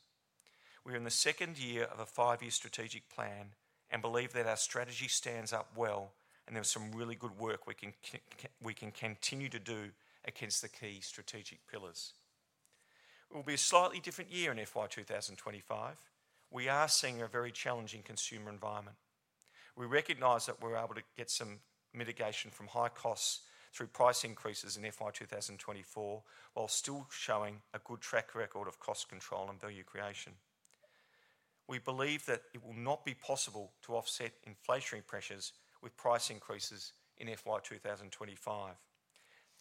We are in the second year of a five-year strategic plan and believe that our strategy stands up well, and there's some really good work we can continue to do against the key strategic pillars. It will be a slightly different year in FY 2025. We are seeing a very challenging consumer environment. We recognize that we're able to get some mitigation from high costs through price increases in FY 2024 while still showing a good track record of cost control and value creation. We believe that it will not be possible to offset inflationary pressures with price increases in FY 2025.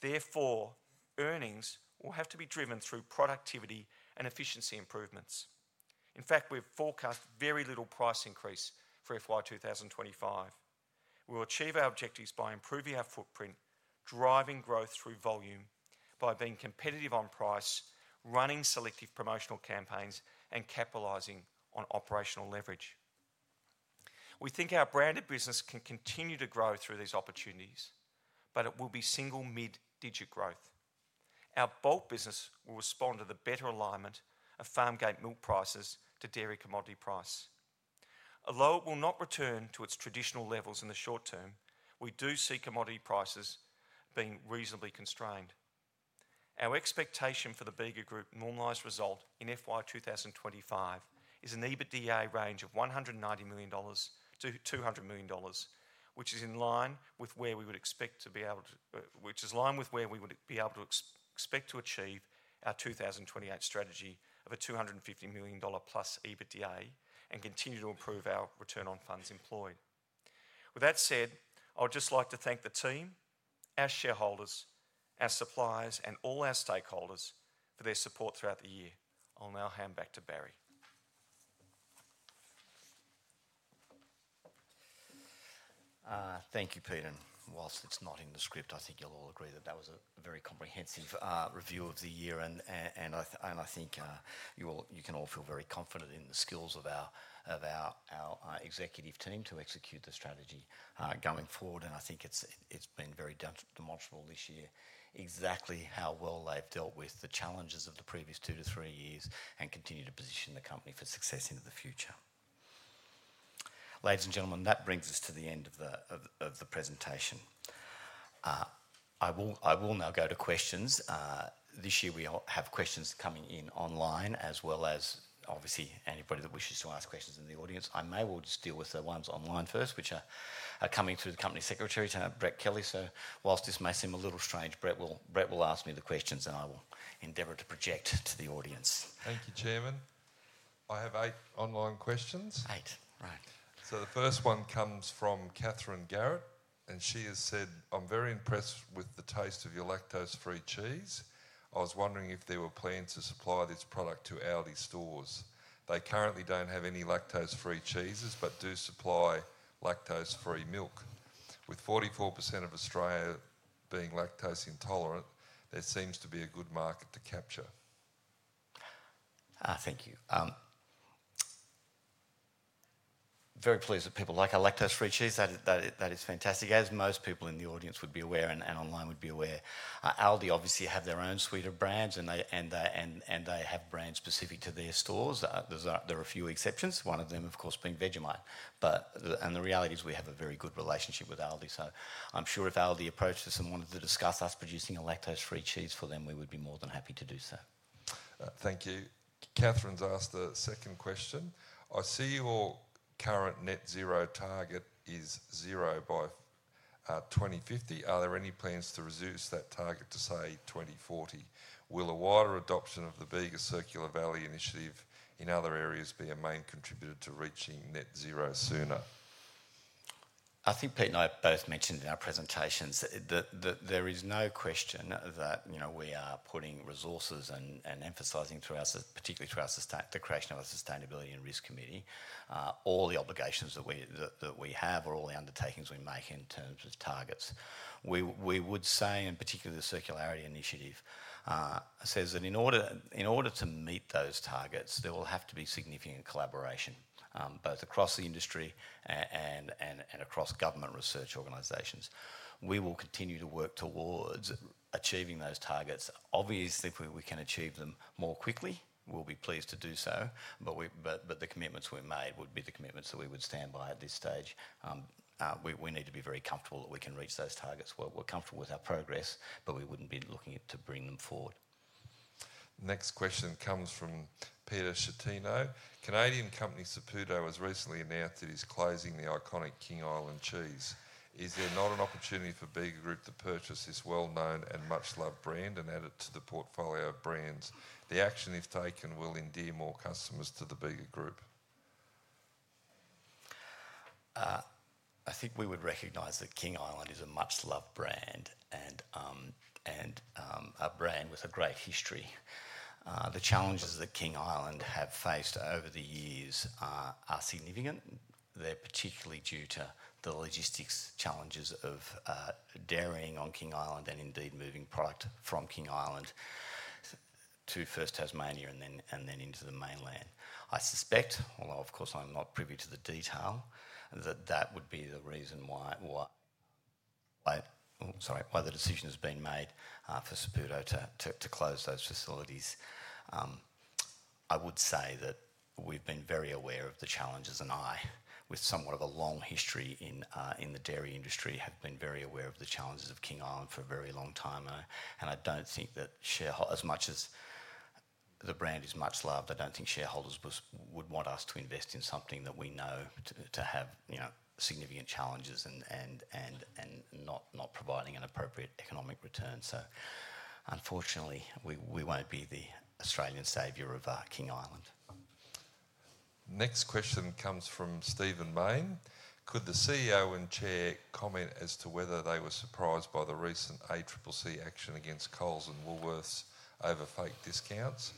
Therefore, earnings will have to be driven through productivity and efficiency improvements. In fact, we've forecast very little price increase for FY 2025. We'll achieve our objectives by improving our footprint, driving growth through volume, by being competitive on price, running selective promotional campaigns, and capitalizing on operational leverage. We think our branded business can continue to grow through these opportunities, but it will be single mid-digit growth. Our bulk business will respond to the better alignment of farm gate milk prices to dairy commodity price. Although it will not return to its traditional levels in the short term, we do see commodity prices being reasonably constrained. Our expectation for the Bega Group normalized result in FY 2025 is an EBITDA range of 190 million-200 million dollars, which is in line with where we would expect to be able to, which is in line with where we would be able to expect to achieve our 2028 strategy of a 250 million dollar plus EBITDA and continue to improve our return on funds employed. With that said, I would just like to thank the team, our shareholders, our suppliers, and all our stakeholders for their support throughout the year. I'll now hand back to Barry. Thank you, Peter. And while it's not in the script, I think you'll all agree that that was a very comprehensive review of the year, and I think you can all feel very confident in the skills of our executive team to execute the strategy going forward. And I think it's been very demonstrable this year exactly how well they've dealt with the challenges of the previous two to three years and continue to position the company for success into the future. Ladies and gentlemen, that brings us to the end of the presentation. I will now go to questions. This year, we have questions coming in online, as well as obviously anybody that wishes to ask questions in the audience. I may well just deal with the ones online first, which are coming through the company secretary to Brett Kelly. So while this may seem a little strange, Brett will ask me the questions, and I will endeavor to project to the audience. Thank you, Chairman. I have eight online questions. Eight, right. So the first one comes from Catherine Garrett, and she has said, "I'm very impressed with the taste of your lactose-free cheese. I was wondering if there were plans to supply this product to Aldi stores. They currently don't have any lactose-free cheeses but do supply lactose-free milk. With 44% of Australia being lactose intolerant, there seems to be a good market to capture." Thank you. Very pleased that people like our lactose-free cheese. That is fantastic. As most people in the audience would be aware and online would be aware, Aldi obviously have their own suite of brands, and they have brands specific to their stores. There are a few exceptions, one of them, of course, being Vegemite. And the reality is we have a very good relationship with Aldi, so I'm sure if Aldi approached us and wanted to discuss us producing a lactose-free cheese for them, we would be more than happy to do so. Thank you. Catherine's asked the second question. I see your current net zero target is zero by 2050. Are there any plans to reduce that target to, say, 2040? Will a wider adoption of the Bega Circular Valley initiative in other areas be a main contributor to reaching net zero sooner? I think Pete and I both mentioned in our presentations that there is no question that we are putting resources and emphasizing through our, particularly through our creation of a sustainability and risk committee. All the obligations that we have are all the undertakings we make in terms of targets. We would say, and particularly the circularity initiative says that in order to meet those targets, there will have to be significant collaboration both across the industry and across government research organizations. We will continue to work towards achieving those targets. Obviously, if we can achieve them more quickly, we'll be pleased to do so, but the commitments we made would be the commitments that we would stand by at this stage. We need to be very comfortable that we can reach those targets. We're comfortable with our progress, but we wouldn't be looking to bring them forward. Next question comes from Peter Schettino. Canadian company Saputo has recently announced that it is closing the iconic King Island cheese. Is there not an opportunity for Bega Group to purchase this well-known and much-loved brand and add it to the portfolio of brands? The action if taken will endear more customers to the Bega Group. I think we would recognize that King Island is a much-loved brand and a brand with a great history. The challenges that King Island have faced over the years are significant. They're particularly due to the logistics challenges of dairying on King Island and indeed moving product from King Island to Spirit of Tasmania and then into the mainland. I suspect, although of course I'm not privy to the detail, that that would be the reason why the decision has been made for Saputo to close those facilities. I would say that we've been very aware of the challenges, and I, with somewhat of a long history in the dairy industry, have been very aware of the challenges of King Island for a very long time. I don't think that as much as the brand is much loved, I don't think shareholders would want us to invest in something that we know to have significant challenges and not providing an appropriate economic return. So unfortunately, we won't be the Australian savior of King Island. Next question comes from Stephen Mayne. Could the CEO and Chair comment as to whether they were surprised by the recent ACCC action against Coles and Woolworths over fake discounts?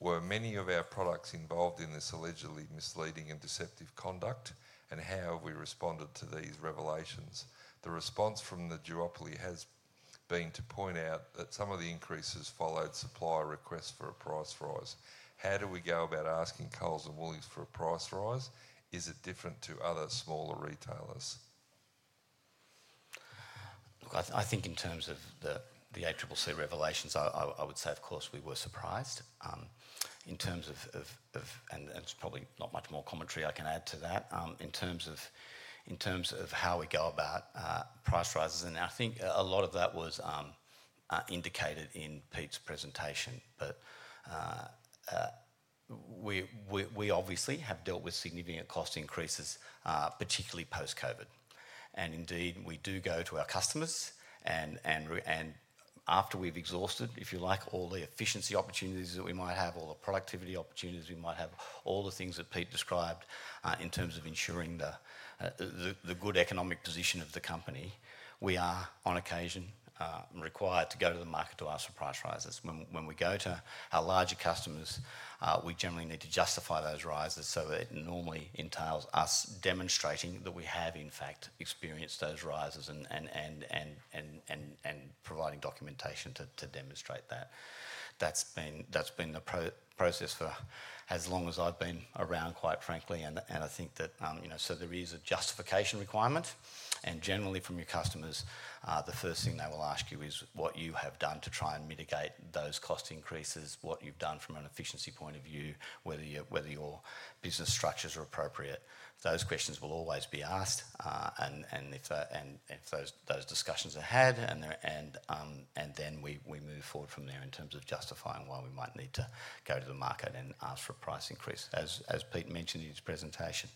Were many of our products involved in this allegedly misleading and deceptive conduct, and how have we responded to these revelations? The response from the duopoly has been to point out that some of the increases followed supplier requests for a price rise. How do we go about asking Coles and Woolworths for a price rise? Is it different to other smaller retailers? I think in terms of the ACCC revelations, I would say, of course, we were surprised. In terms of, and it's probably not much more commentary I can add to that, in terms of how we go about price rises, and I think a lot of that was indicated in Pete's presentation. But we obviously have dealt with significant cost increases, particularly post-COVID. Indeed, we do go to our customers, and after we've exhausted, if you like, all the efficiency opportunities that we might have, all the productivity opportunities we might have, all the things that Pete described in terms of ensuring the good economic position of the company, we are on occasion required to go to the market to ask for price rises. When we go to our larger customers, we generally need to justify those rises, so it normally entails us demonstrating that we have, in fact, experienced those rises and providing documentation to demonstrate that. That's been the process for as long as I've been around, quite frankly, and I think that, so there is a justification requirement. Generally, from your customers, the first thing they will ask you is what you have done to try and mitigate those cost increases, what you've done from an efficiency point of view, whether your business structures are appropriate. Those questions will always be asked, and if those discussions are had, and then we move forward from there in terms of justifying why we might need to go to the market and ask for a price increase, as Pete mentioned in his presentation.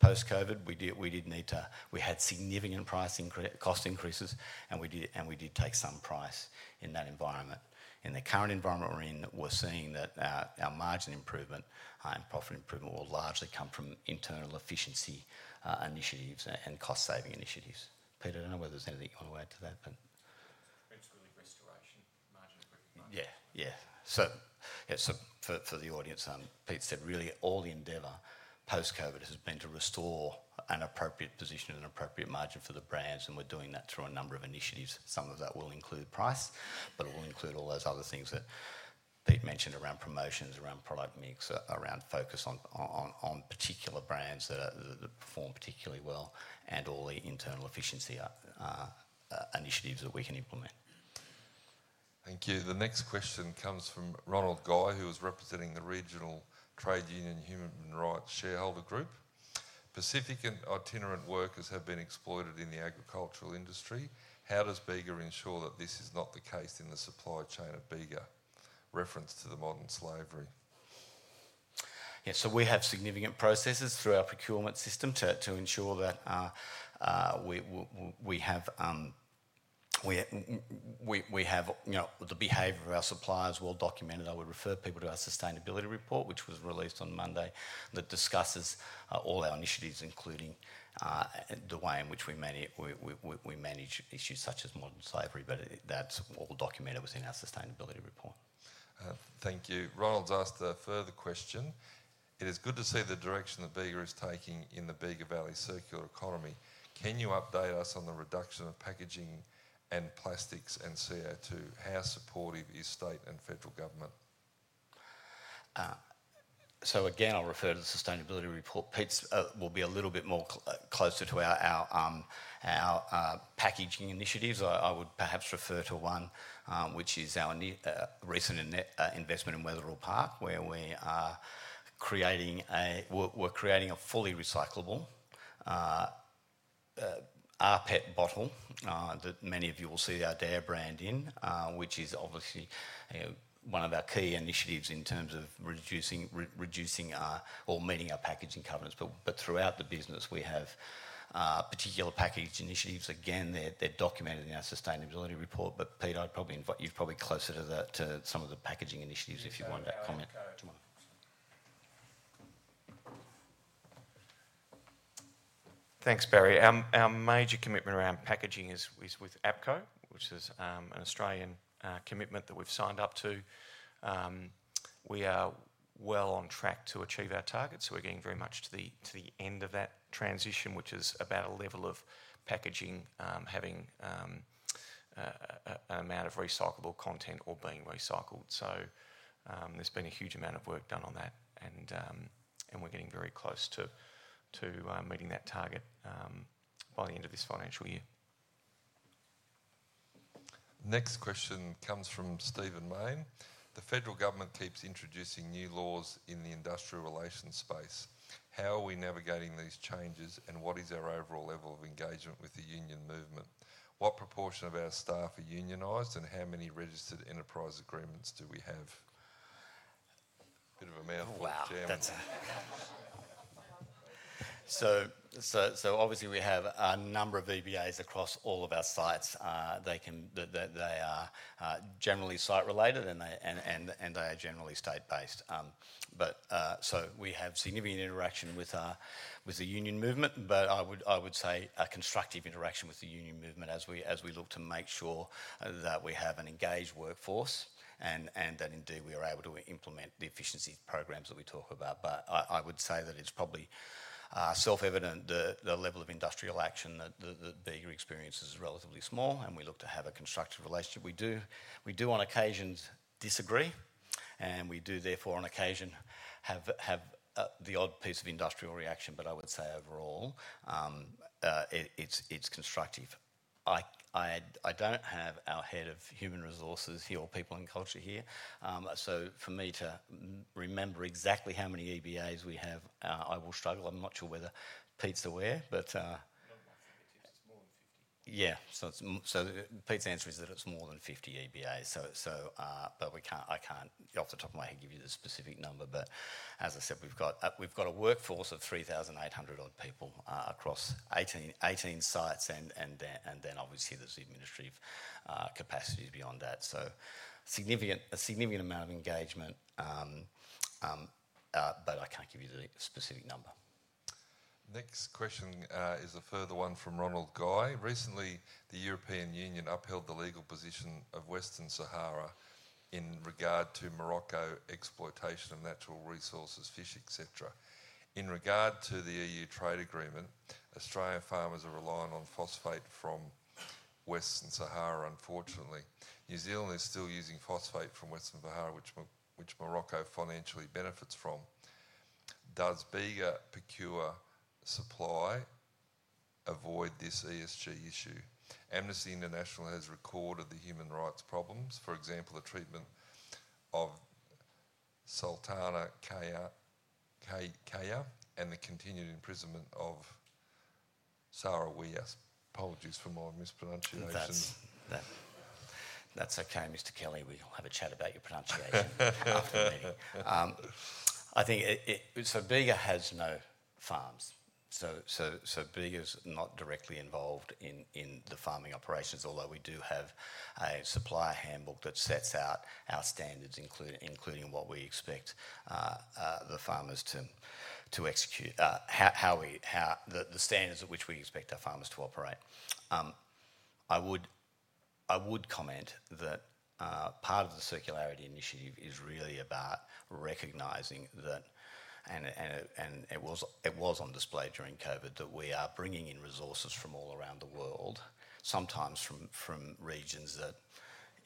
Post-COVID, we did need to, we had significant cost increases, and we did take some price in that environment. In the current environment we're in, we're seeing that our margin improvement and profit improvement will largely come from internal efficiency initiatives and cost-saving initiatives. Peter, I don't know whether there's anything you want to add to that, but. It's really restoration, margin improvement. Yeah, yeah. For the audience, Pete said, really, all the endeavor post-COVID has been to restore an appropriate position and an appropriate margin for the brands, and we're doing that through a number of initiatives. Some of that will include price, but it will include all those other things that Pete mentioned around promotions, around product mix, around focus on particular brands that perform particularly well, and all the internal efficiency initiatives that we can implement. Thank you. The next question comes from Ronald Guy, who is representing the Regional Trade Union Human Rights Shareholder Group. Pacific and itinerant workers have been exploited in the agricultural industry. How does Bega ensure that this is not the case in the supply chain at Bega? Reference to the modern slavery. Yeah, so we have significant processes through our procurement system to ensure that we have the behavior of our suppliers well documented. I would refer people to our sustainability report, which was released on Monday, that discusses all our initiatives, including the way in which we manage issues such as modern slavery, but that's all documented within our sustainability report. Thank you. Ronald's asked a further question. It is good to see the direction that Bega is taking in the Bega Valley circular economy. Can you update us on the reduction of packaging and plastics and CO2? How supportive is state and federal government? So again, I'll refer to the sustainability report. Pete will be a little bit more closer to our packaging initiatives. I would perhaps refer to one, which is our recent investment in Wetherill Park, where we're creating a fully recyclable rPET bottle that many of you will see our Dare brand in, which is obviously one of our key initiatives in terms of reducing or meeting our packaging covenants. But throughout the business, we have particular packaging initiatives. Again, they're documented in our sustainability report, but Pete, you're probably closer to some of the packaging initiatives if you want that comment. Thanks, Barry. Our major commitment around packaging is with APCO, which is an Australian commitment that we've signed up to. We are well on track to achieve our targets, so we're getting very much to the end of that transition, which is about a level of packaging having an amount of recyclable content or being recycled. So there's been a huge amount of work done on that, and we're getting very close to meeting that target by the end of this financial year. Next question comes from Stephen Mayne. The federal government keeps introducing new laws in the industrial relations space. How are we navigating these changes, and what is our overall level of engagement with the union movement? What proportion of our staff are unionized, and how many registered enterprise agreements do we have? Bit of a mouthful, Chairman. So obviously, we have a number of EBAs across all of our sites. They are generally site-related, and they are generally state-based. So we have significant interaction with the union movement, but I would say a constructive interaction with the union movement as we look to make sure that we have an engaged workforce and that indeed we are able to implement the efficiency programs that we talk about. But I would say that it's probably self-evident that the level of industrial action that Bega experiences is relatively small, and we look to have a constructive relationship. We do on occasion disagree, and we do therefore on occasion have the odd piece of industrial reaction, but I would say overall, it's constructive. I don't have our head of human resources or people in culture here, so for me to remember exactly how many EBAs we have, I will struggle. I'm not sure whether Pete's aware, but not lots of it. It's more than 50. Yeah, so Pete's answer is that it's more than 50 EBAs, but I can't, off the top of my head, give you the specific number. But as I said, we've got a workforce of 3,800 odd people across 18 sites, and then obviously there's administrative capacities beyond that. So a significant amount of engagement, but I can't give you the specific number. Next question is a further one from Ronald Guy. Recently, the European Union upheld the legal position of Western Sahara in regard to Morocco exploitation of natural resources, fish, etc. In regard to the EU trade agreement, Australian farmers are relying on phosphate from Western Sahara, unfortunately. New Zealand is still using phosphate from Western Sahara, which Morocco financially benefits from. Does Bega procure supply? Avoid this ESG issue. Amnesty International has recorded the human rights problems, for example, the treatment of Sultana Keya, and the continued imprisonment of Sarah Weias. Apologies for my mispronunciation. That's okay, Mr. Kelly. We'll have a chat about your pronunciation after the meeting. Bega has no farms, so Bega's not directly involved in the farming operations, although we do have a supply handbook that sets out our standards, including what we expect the farmers to execute, the standards at which we expect our farmers to operate. I would comment that part of the circularity initiative is really about recognizing that, and it was on display during COVID, that we are bringing in resources from all around the world, sometimes from regions that,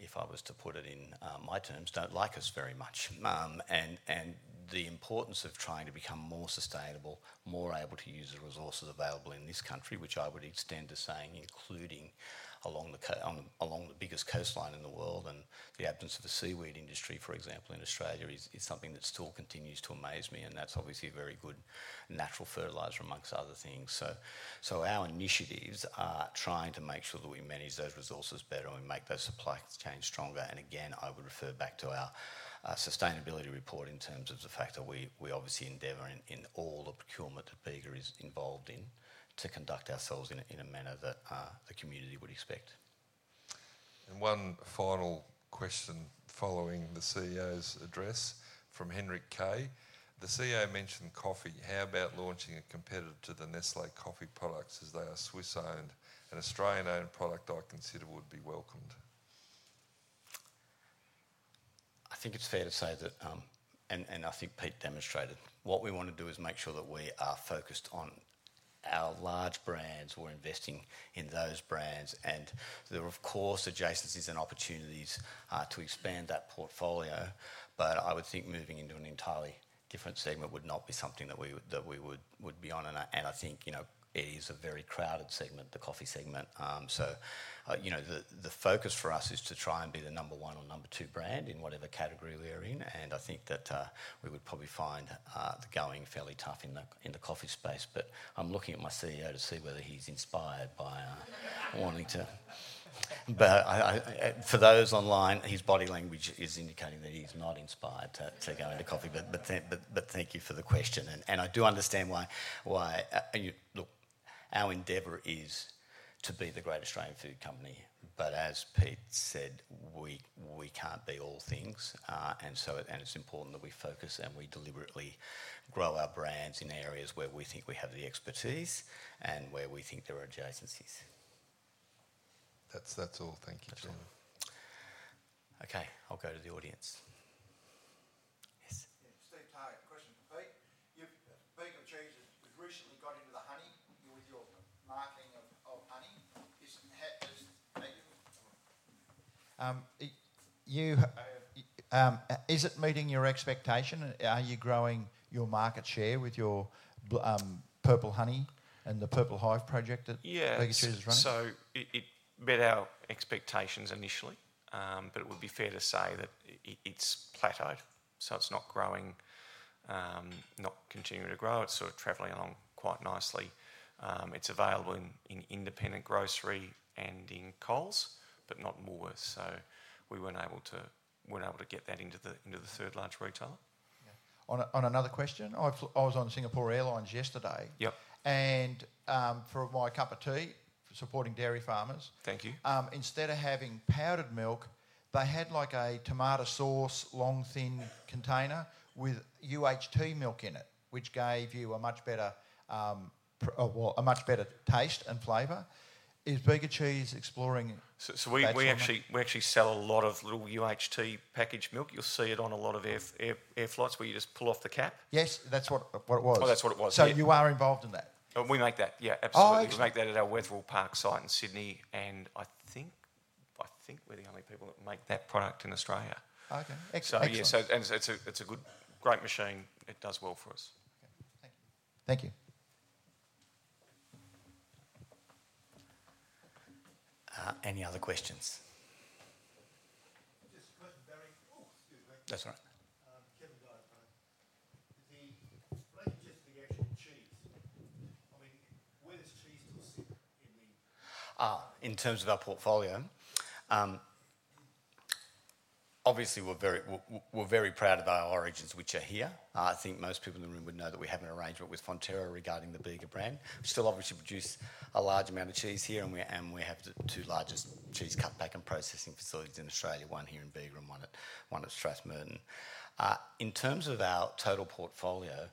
if I was to put it in my terms, don't like us very much. The importance of trying to become more sustainable, more able to use the resources available in this country, which I would extend to saying, including along the biggest coastline in the world and the absence of the seaweed industry, for example, in Australia is something that still continues to amaze me, and that's obviously a very good natural fertilizer among other things. Our initiatives are trying to make sure that we manage those resources better and we make those supply chains stronger. I would refer back to our sustainability report in terms of the fact that we obviously endeavor in all the procurement that Bega is involved in to conduct ourselves in a manner that the community would expect. One final question following the CEO's address from Henrik Kay. The CEO mentioned coffee. How about launching a competitor to the Nestlé coffee products as they are Swiss-owned and Australian-owned product I consider would be welcomed? I think it's fair to say that, and I think Pete demonstrated what we want to do is make sure that we are focused on our large brands. We're investing in those brands, and there are, of course, adjacencies and opportunities to expand that portfolio, but I would think moving into an entirely different segment would not be something that we would be on. And I think it is a very crowded segment, the coffee segment. So the focus for us is to try and be the number one or number two brand in whatever category we are in, and I think that we would probably find going fairly tough in the coffee space. But I'm looking at my CEO to see whether he's inspired by wanting to. But for those online, his body language is indicating that he's not inspired to go into coffee, but thank you for the question. And I do understand why. Look, our endeavor is to be the great Australian food company, but as Pete said, we can't be all things, and it's important that we focus and we deliberately grow our brands in areas where we think we have the expertise and where we think there are adjacencies. That's all. Thank you, Chairman. Okay, I'll go to the audience. Yes. Steve Tire, question for Pete. Bega Cheese has recently got into the honey. With your marketing of honey, has it met you? Is it meeting your expectation? Are you growing your market share with your Capilano honey and the Capilano Hive project that Bega Cheese is running? Yeah, so it met our expectations initially, but it would be fair to say that it's plateaued, so it's not continuing to grow. It's sort of traveling along quite nicely. It's available in independent grocery and in Coles, but not in Woolworths. So we weren't able to get that into the third-largest retailer. On another question, I was on Singapore Airlines yesterday, and for my cup of tea supporting dairy farmers. Thank you. Instead of having powdered milk, they had like a tomato sauce, long, thin container with UHT milk in it, which gave you a much better taste and flavor. Is Bega Cheese exploring? So we actually sell a lot of little UHT packaged milk. You'll see it on a lot of air flights where you just pull off the cap. Yes, that's what it was. Oh, that's what it was. So you are involved in that? We make that, yeah, absolutely. We make that at our Wetherill Park site in Sydney, and I think we're the only people that make that product in Australia. Okay, excellent. So yeah, it's a great machine. It does well for us. Okay, thank you. Thank you. Any other questions? Just a question, Barry. Oh, excuse me. That's all right. Ronald Guy, is he explaining just the actual cheese? I mean, where does cheese still sit in the? In terms of our portfolio, obviously we're very proud of our origins which are here. I think most people in the room would know that we have an arrangement with Fonterra regarding the Bega brand. We still obviously produce a large amount of cheese here, and we have the two largest cheese cut and pack and processing facilities in Australia, one here in Bega and one at Strathmerton. In terms of our total portfolio,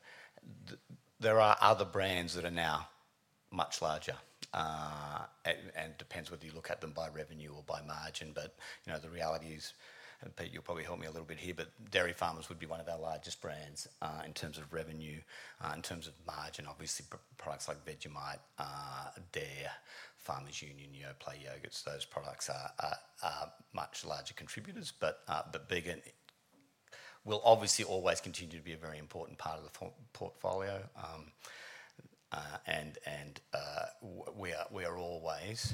there are other brands that are now much larger, and it depends whether you look at them by revenue or by margin. But the reality is, and Pete, you'll probably help me a little bit here, but Dairy Farmers would be one of our largest brands in terms of revenue, in terms of margin. Obviously, products like Vegemite, Dare, Farmers Union, Yoplait yogurts, those products are much larger contributors. But Bega will obviously always continue to be a very important part of the portfolio, and we are always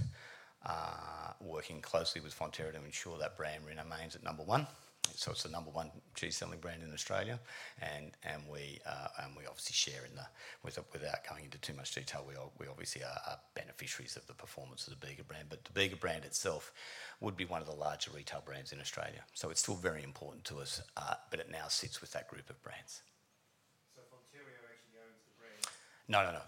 working closely with Fonterra to ensure that brand remains at number one. So it's the number one cheese-selling brand in Australia, and we obviously share in the, without going into too much detail, we obviously are beneficiaries of the performance of the Bega brand. But the Bega brand itself would be one of the larger retail brands in Australia. So it's still very important to us, but it now sits with that group of brands. So Fonterra actually owns the brand? No, no, no.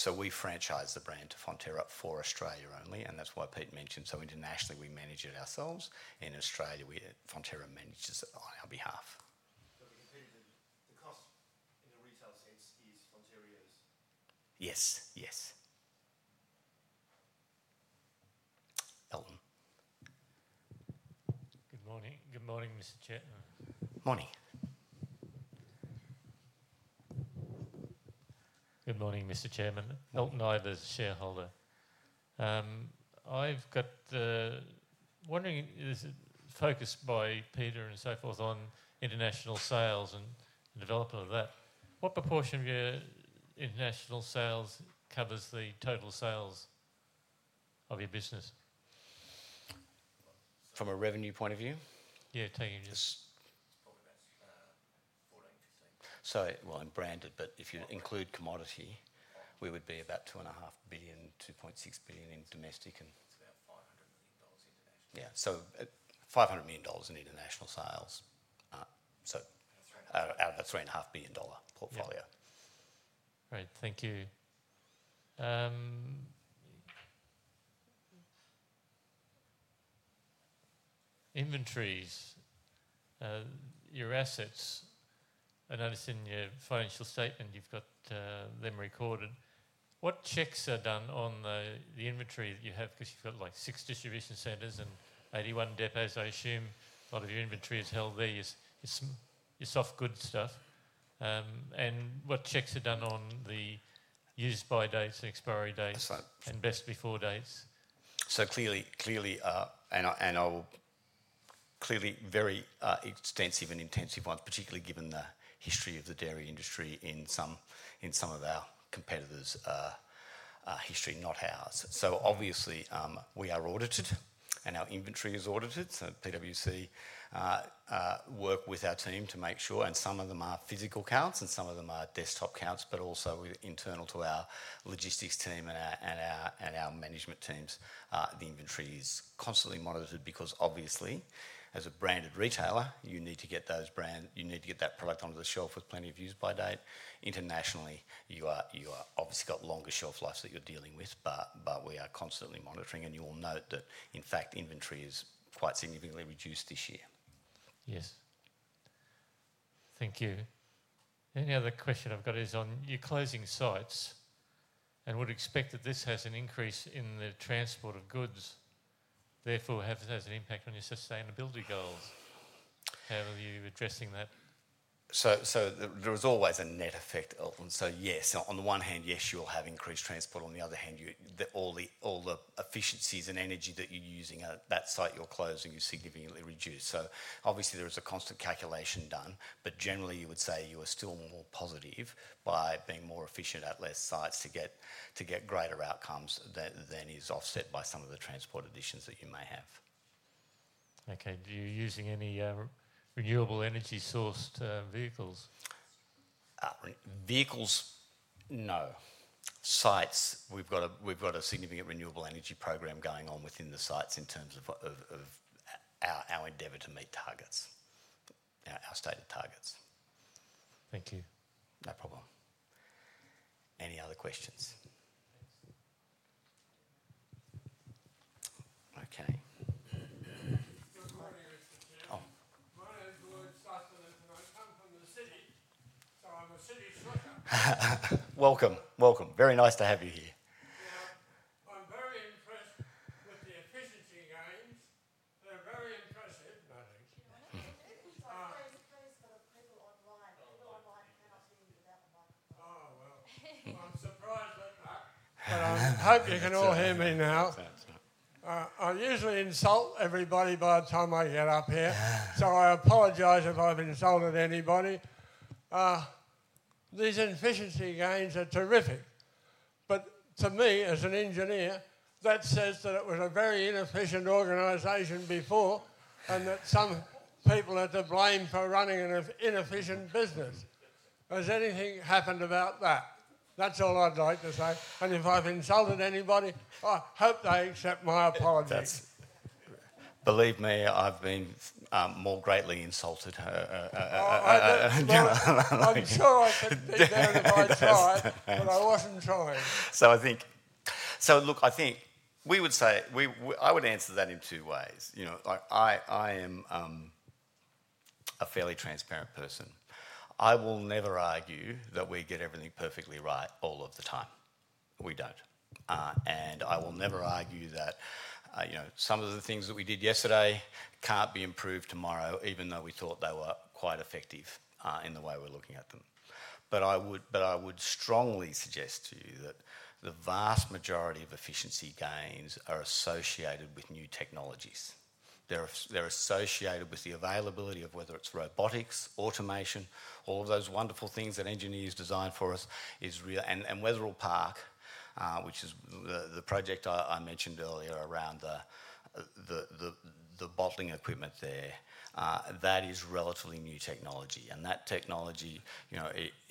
So we franchise the brand to Fonterra for Australia only, and that's why Pete mentioned. So internationally, we manage it ourselves. In Australia, Fonterra manages it on our behalf. So the competitor, the cost in the retail sense, is Fonterra's? Yes, yes. Good morning. Good morning, Mr. Chairman. Morning. Good morning, Mr. Chairman. Elton Ivers is a shareholder. I've got the wondering focus by Peter and so forth on international sales and development of that. What proportion of your international sales covers the total sales of your business? From a revenue point of view? Yeah, taking just. It's probably about 14%. So well, and branded, but if you include commodity, we would be about 2.5 billion, 2.6 billion in domestic and. It's about AUD 500 million internationally. Yeah, so 500 million dollars in international sales. So that's a 3.5 billion dollar portfolio. Great, thank you. Inventories, your assets, I noticed in your financial statement you've got them recorded. What checks are done on the inventory that you have? Because you've got like six distribution centres and 81 depots, I assume a lot of your inventory is held there. It's your soft goods stuff. And what checks are done on the use-by dates and expiry dates and best-before dates? So clearly, and clearly very extensive and intensive ones, particularly given the history of the dairy industry in some of our competitors' history, not ours. So obviously we are audited and our inventory is audited. So PwC work with our team to make sure, and some of them are physical counts and some of them are desktop counts, but also internal to our logistics team and our management teams, the inventory is constantly monitored because obviously as a branded retailer, you need to get those brands, you need to get that product onto the shelf with plenty of use-by date. Internationally, you obviously got longer shelf lives that you're dealing with, but we are constantly monitoring, and you will note that in fact inventory is quite significantly reduced this year. Yes. Thank you. Any other question I've got is on your closing sites and would expect that this has an increase in the transport of goods, therefore has an impact on your sustainability goals. How are you addressing that? So there is always a net effect, Elton. So yes, on the one hand, yes, you will have increased transport. On the other hand, all the efficiencies and energy that you're using at that site you're closing is significantly reduced. So obviously there is a constant calculation done, but generally you would say you are still more positive by being more efficient at less sites to get greater outcomes than is offset by some of the transport additions that you may have. Okay, do you use any renewable energy-sourced vehicles? Vehicles, no. Sites, we've got a significant renewable energy program going on within the sites in terms of our endeavor to meet targets, our stated targets. Thank you. No problem. Any other questions? Okay. My name's Lloyd Sustin and I come from the city, so I'm a city slicker. Welcome, welcome. Very nice to have you here. I'm very impressed with the efficiency gains. They're very impressive, I think. Yeah, it's like they replace the people online. People online cannot be without the microphone. Oh, wow. I'm surprised at that. I hope you can all hear me now. I usually insult everybody by the time I get up here, so I apologize if I've insulted anybody. These efficiency gains are terrific, but to me as an engineer, that says that it was a very inefficient organization before and that some people are to blame for running an inefficient business. Has anything happened about that? That's all I'd like to say. And if I've insulted anybody, I hope they accept my apologies. Believe me, I've been more greatly insulted. I'm sure I could dig out of my tribe, but I wasn't trying. So look, I think we would say I would answer that in two ways. I am a fairly transparent person. I will never argue that we get everything perfectly right all of the time. We don't, and I will never argue that some of the things that we did yesterday can't be improved tomorrow, even though we thought they were quite effective in the way we're looking at them, but I would strongly suggest to you that the vast majority of efficiency gains are associated with new technologies. They're associated with the availability of whether it's robotics, automation, all of those wonderful things that engineers design for us is real, and Wetherill Park, which is the project I mentioned earlier around the bottling equipment there, that is relatively new technology. And that technology,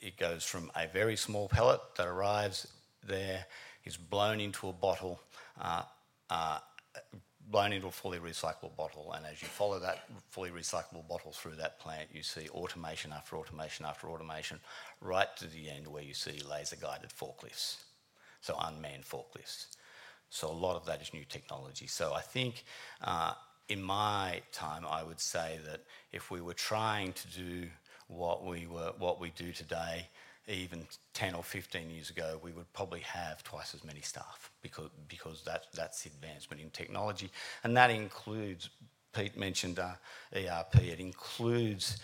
it goes from a very small pellet that arrives there, is blown into a bottle, blown into a fully recyclable bottle. As you follow that fully recyclable bottle through that plant, you see automation after automation after automation right to the end where you see laser-guided forklifts, so unmanned forklifts. So a lot of that is new technology. So I think in my time, I would say that if we were trying to do what we do today, even 10 or 15 years ago, we would probably have twice as many staff because that's the advancement in technology. And that includes, Pete mentioned ERP, it includes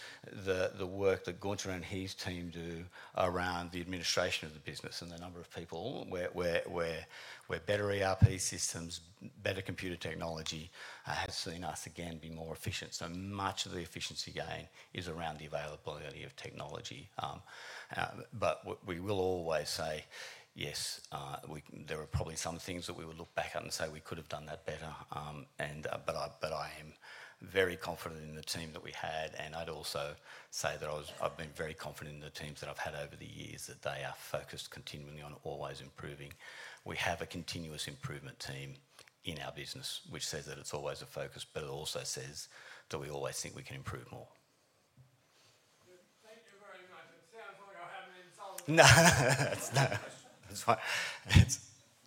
the work that Gunter and his team do around the administration of the business and the number of people. We have better ERP systems, better computer technology has seen us again be more efficient. So much of the efficiency gain is around the availability of technology. But we will always say, yes, there are probably some things that we would look back at and say we could have done that better. But I am very confident in the team that we had, and I'd also say that I've been very confident in the teams that I've had over the years that they are focused continually on always improving. We have a continuous improvement team in our business, which says that it's always a focus, but it also says that we always think we can improve more. Thank you very much. It sounds like I haven't insulted anyone. No. That's fine.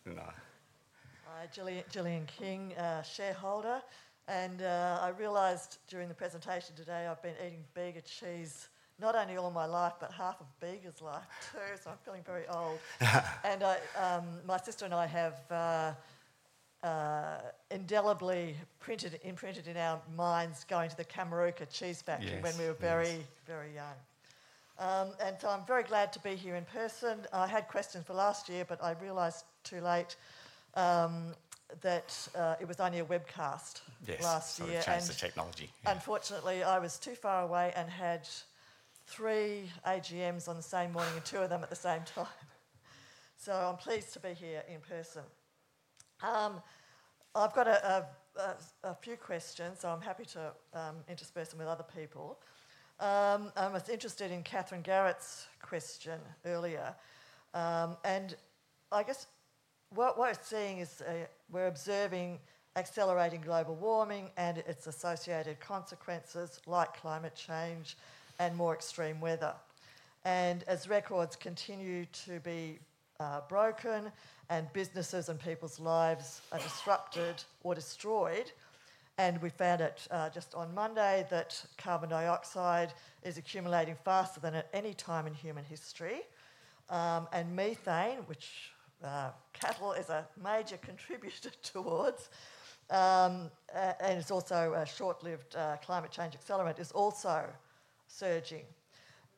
No. Gillian King, shareholder. And I realised during the presentation today I've been eating Bega Cheese, not only all my life, but half of Bega's life too, so I'm feeling very old. And my sister and I have indelibly imprinted in our minds going to the Kameruka cheese factory when we were very, very young. And I'm very glad to be here in person. I had questions for last year, but I realized too late that it was only a webcast last year. Yes, in terms of technology. Unfortunately, I was too far away and had three AGMs on the same morning and two of them at the same time. So I'm pleased to be here in person. I've got a few questions, so I'm happy to intersperse them with other people. I was interested in Catherine Garrett's question earlier. And I guess what we're seeing is we're observing accelerating global warming and its associated consequences like climate change and more extreme weather. And as records continue to be broken and businesses and people's lives are disrupted or destroyed, and we found out just on Monday that carbon dioxide is accumulating faster than at any time in human history. And methane, which cattle is a major contributor towards, and it's also a short-lived climate change accelerant, is also surging.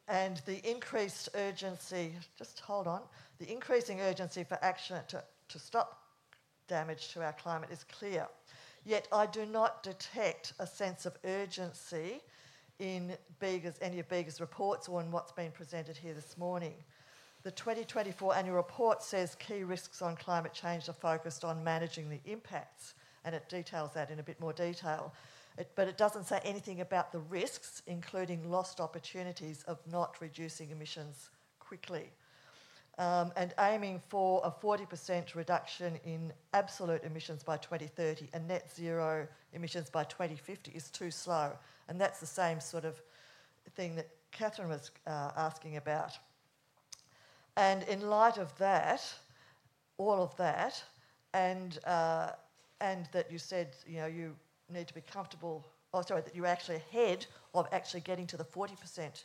And the increased urgency—just hold on—the increasing urgency for action to stop damage to our climate is clear. Yet I do not detect a sense of urgency in any of Bega's reports or in what's been presented here this morning. The 2024 annual report says key risks on climate change are focused on managing the impacts, and it details that in a bit more detail. But it doesn't say anything about the risks, including lost opportunities of not reducing emissions quickly. And aiming for a 40% reduction in absolute emissions by 2030 and net zero emissions by 2050 is too slow. And that's the same sort of thing that Catherine was asking about. And in light of that, all of that, and that you said you need to be comfortable—oh, sorry—that you're actually ahead of actually getting to the 40%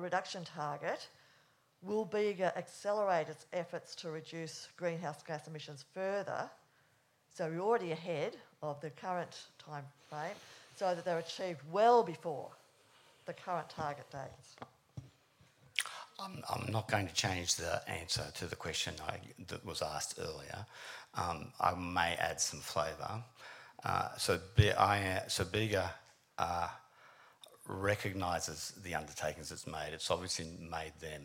reduction target, will Bega accelerate its efforts to reduce greenhouse gas emissions further? So we're already ahead of the current timeframe so that they're achieved well before the current target dates. I'm not going to change the answer to the question that was asked earlier. I may add some flavor. So Bega recognizes the undertakings it's made. It's obviously made them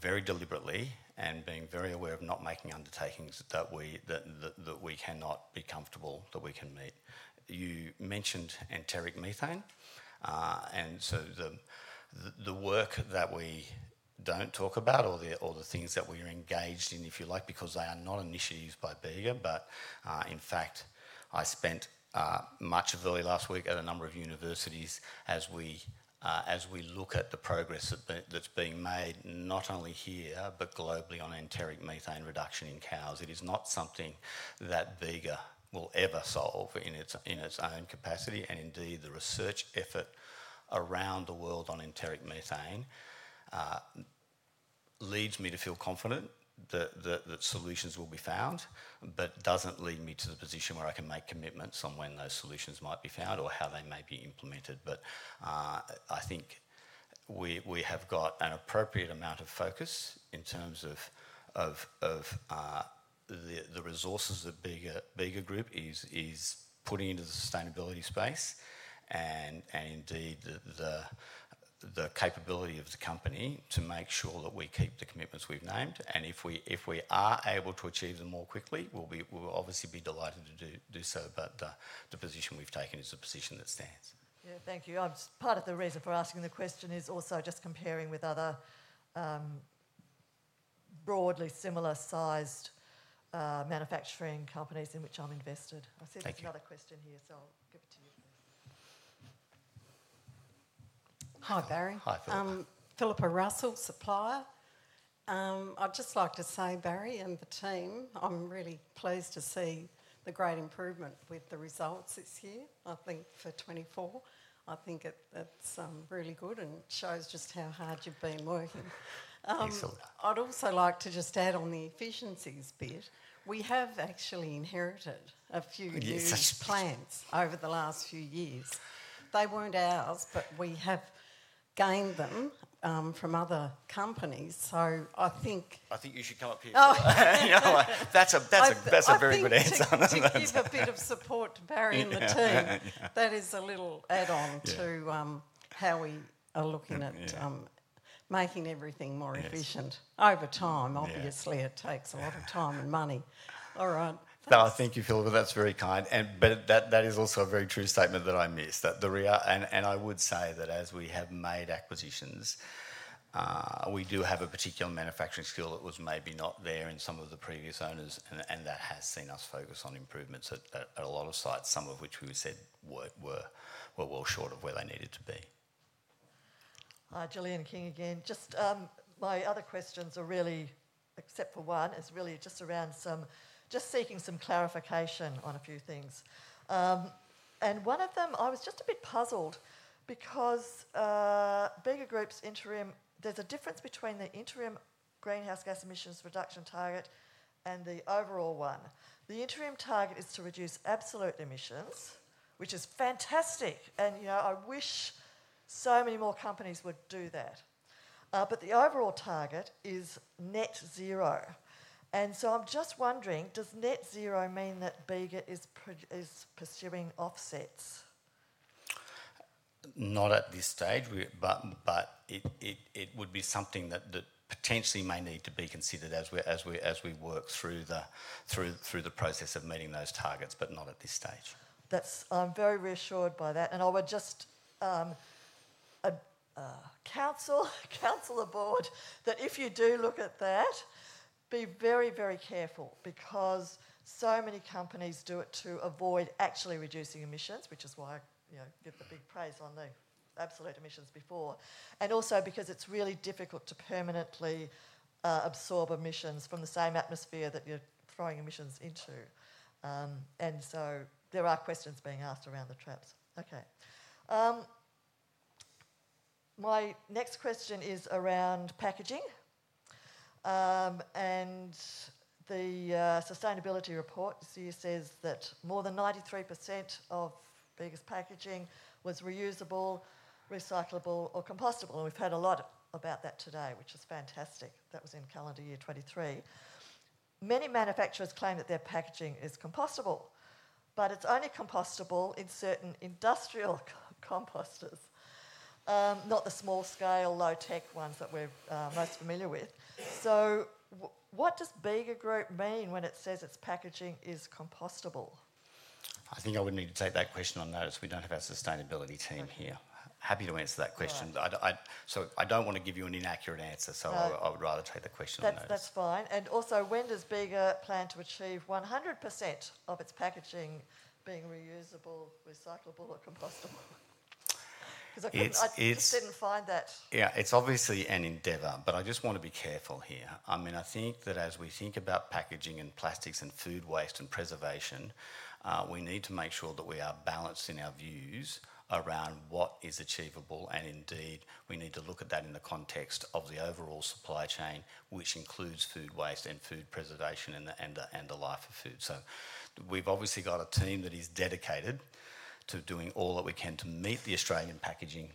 very deliberately and being very aware of not making undertakings that we cannot be comfortable that we can meet. You mentioned enteric methane. And so the work that we don't talk about or the things that we are engaged in, if you like, because they are not initiatives by Bega, but in fact, I spent much of early last week at a number of universities as we look at the progress that's being made not only here, but globally on enteric methane reduction in cows. It is not something that Bega will ever solve in its own capacity. And indeed, the research effort around the world on enteric methane leads me to feel confident that solutions will be found, but doesn't lead me to the position where I can make commitments on when those solutions might be found or how they may be implemented. But I think we have got an appropriate amount of focus in terms of the resources that Bega Group is putting into the sustainability space and indeed the capability of the company to make sure that we keep the commitments we've named. And if we are able to achieve them more quickly, we'll obviously be delighted to do so, but the position we've taken is the position that stands. Yeah, thank you. Part of the reason for asking the question is also just comparing with other broadly similar-sized manufacturing companies in which I'm invested. I see there's another question here, so I'll give it to you first. Hi, Barry. Hi. Philip. Philippa Russell, supplier. I'd just like to say, Barry and the team, I'm really pleased to see the great improvement with the results this year, I think, for 2024. I think that's really good and shows just how hard you've been working. I'd also like to just add on the efficiencies bit. We have actually inherited a few of these plants over the last few years. They weren't ours, but we have gained them from other companies. So I think. I think you should come up here. Oh, yeah, that's a very good answer. To give a bit of support to Barry and the team, that is a little add-on to how we are looking at making everything more efficient. Over time, obviously, it takes a lot of time and money. All right. No, I thank you, Philippa. That's very kind. But that is also a very true statement that I miss. I would say that as we have made acquisitions, we do have a particular manufacturing skill that was maybe not there in some of the previous owners, and that has seen us focus on improvements at a lot of sites, some of which we said were well short of where they needed to be. Jillian King again. Just my other questions are really, except for one, is really just around just seeking some clarification on a few things. And one of them, I was just a bit puzzled because Bega Group's interim, there's a difference between the interim greenhouse gas emissions reduction target and the overall one. The interim target is to reduce absolute emissions, which is fantastic. And I wish so many more companies would do that. But the overall target is net zero. And so I'm just wondering, does net zero mean that Bega is pursuing offsets? Not at this stage, but it would be something that potentially may need to be considered as we work through the process of meeting those targets, but not at this stage. I'm very reassured by that. And I would just counsel the board that if you do look at that, be very, very careful because so many companies do it to avoid actually reducing emissions, which is why I give the big praise on the absolute emissions before. And also because it's really difficult to permanently absorb emissions from the same atmosphere that you're throwing emissions into. And so there are questions being asked around the traps. Okay. My next question is around packaging. And the sustainability report says that more than 93% of Bega's packaging was reusable, recyclable, or compostable. And we've heard a lot about that today, which is fantastic. That was in calendar year 2023. Many manufacturers claim that their packaging is compostable, but it's only compostable in certain industrial composters, not the small-scale, low-tech ones that we're most familiar with. So what does Bega Group mean when it says its packaging is compostable? I think I would need to take that question on notice. We don't have our sustainability team here. Happy to answer that question. So I don't want to give you an inaccurate answer, so I would rather take the question on notice. That's fine. And also, when does Bega plan to achieve 100% of its packaging being reusable, recyclable, or compostable? Because I just didn't find that. Yeah, it's obviously an endeavor, but I just want to be careful here. I mean, I think that as we think about packaging and plastics and food waste and preservation, we need to make sure that we are balanced in our views around what is achievable, and indeed, we need to look at that in the context of the overall supply chain, which includes food waste and food preservation and the life of food. So we've obviously got a team that is dedicated to doing all that we can to meet the Australian packaging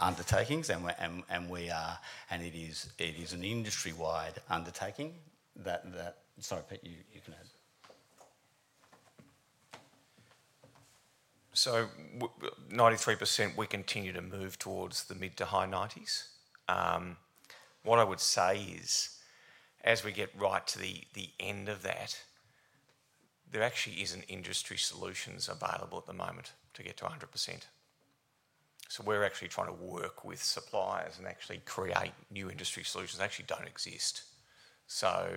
undertakings, and it is an industry-wide undertaking that. Sorry, Pete, you can add, so 93%, we continue to move towards the mid- to high-90s%. What I would say is, as we get right to the end of that, there actually isn't industry solutions available at the moment to get to 100%. So we're actually trying to work with suppliers and actually create new industry solutions that actually don't exist. So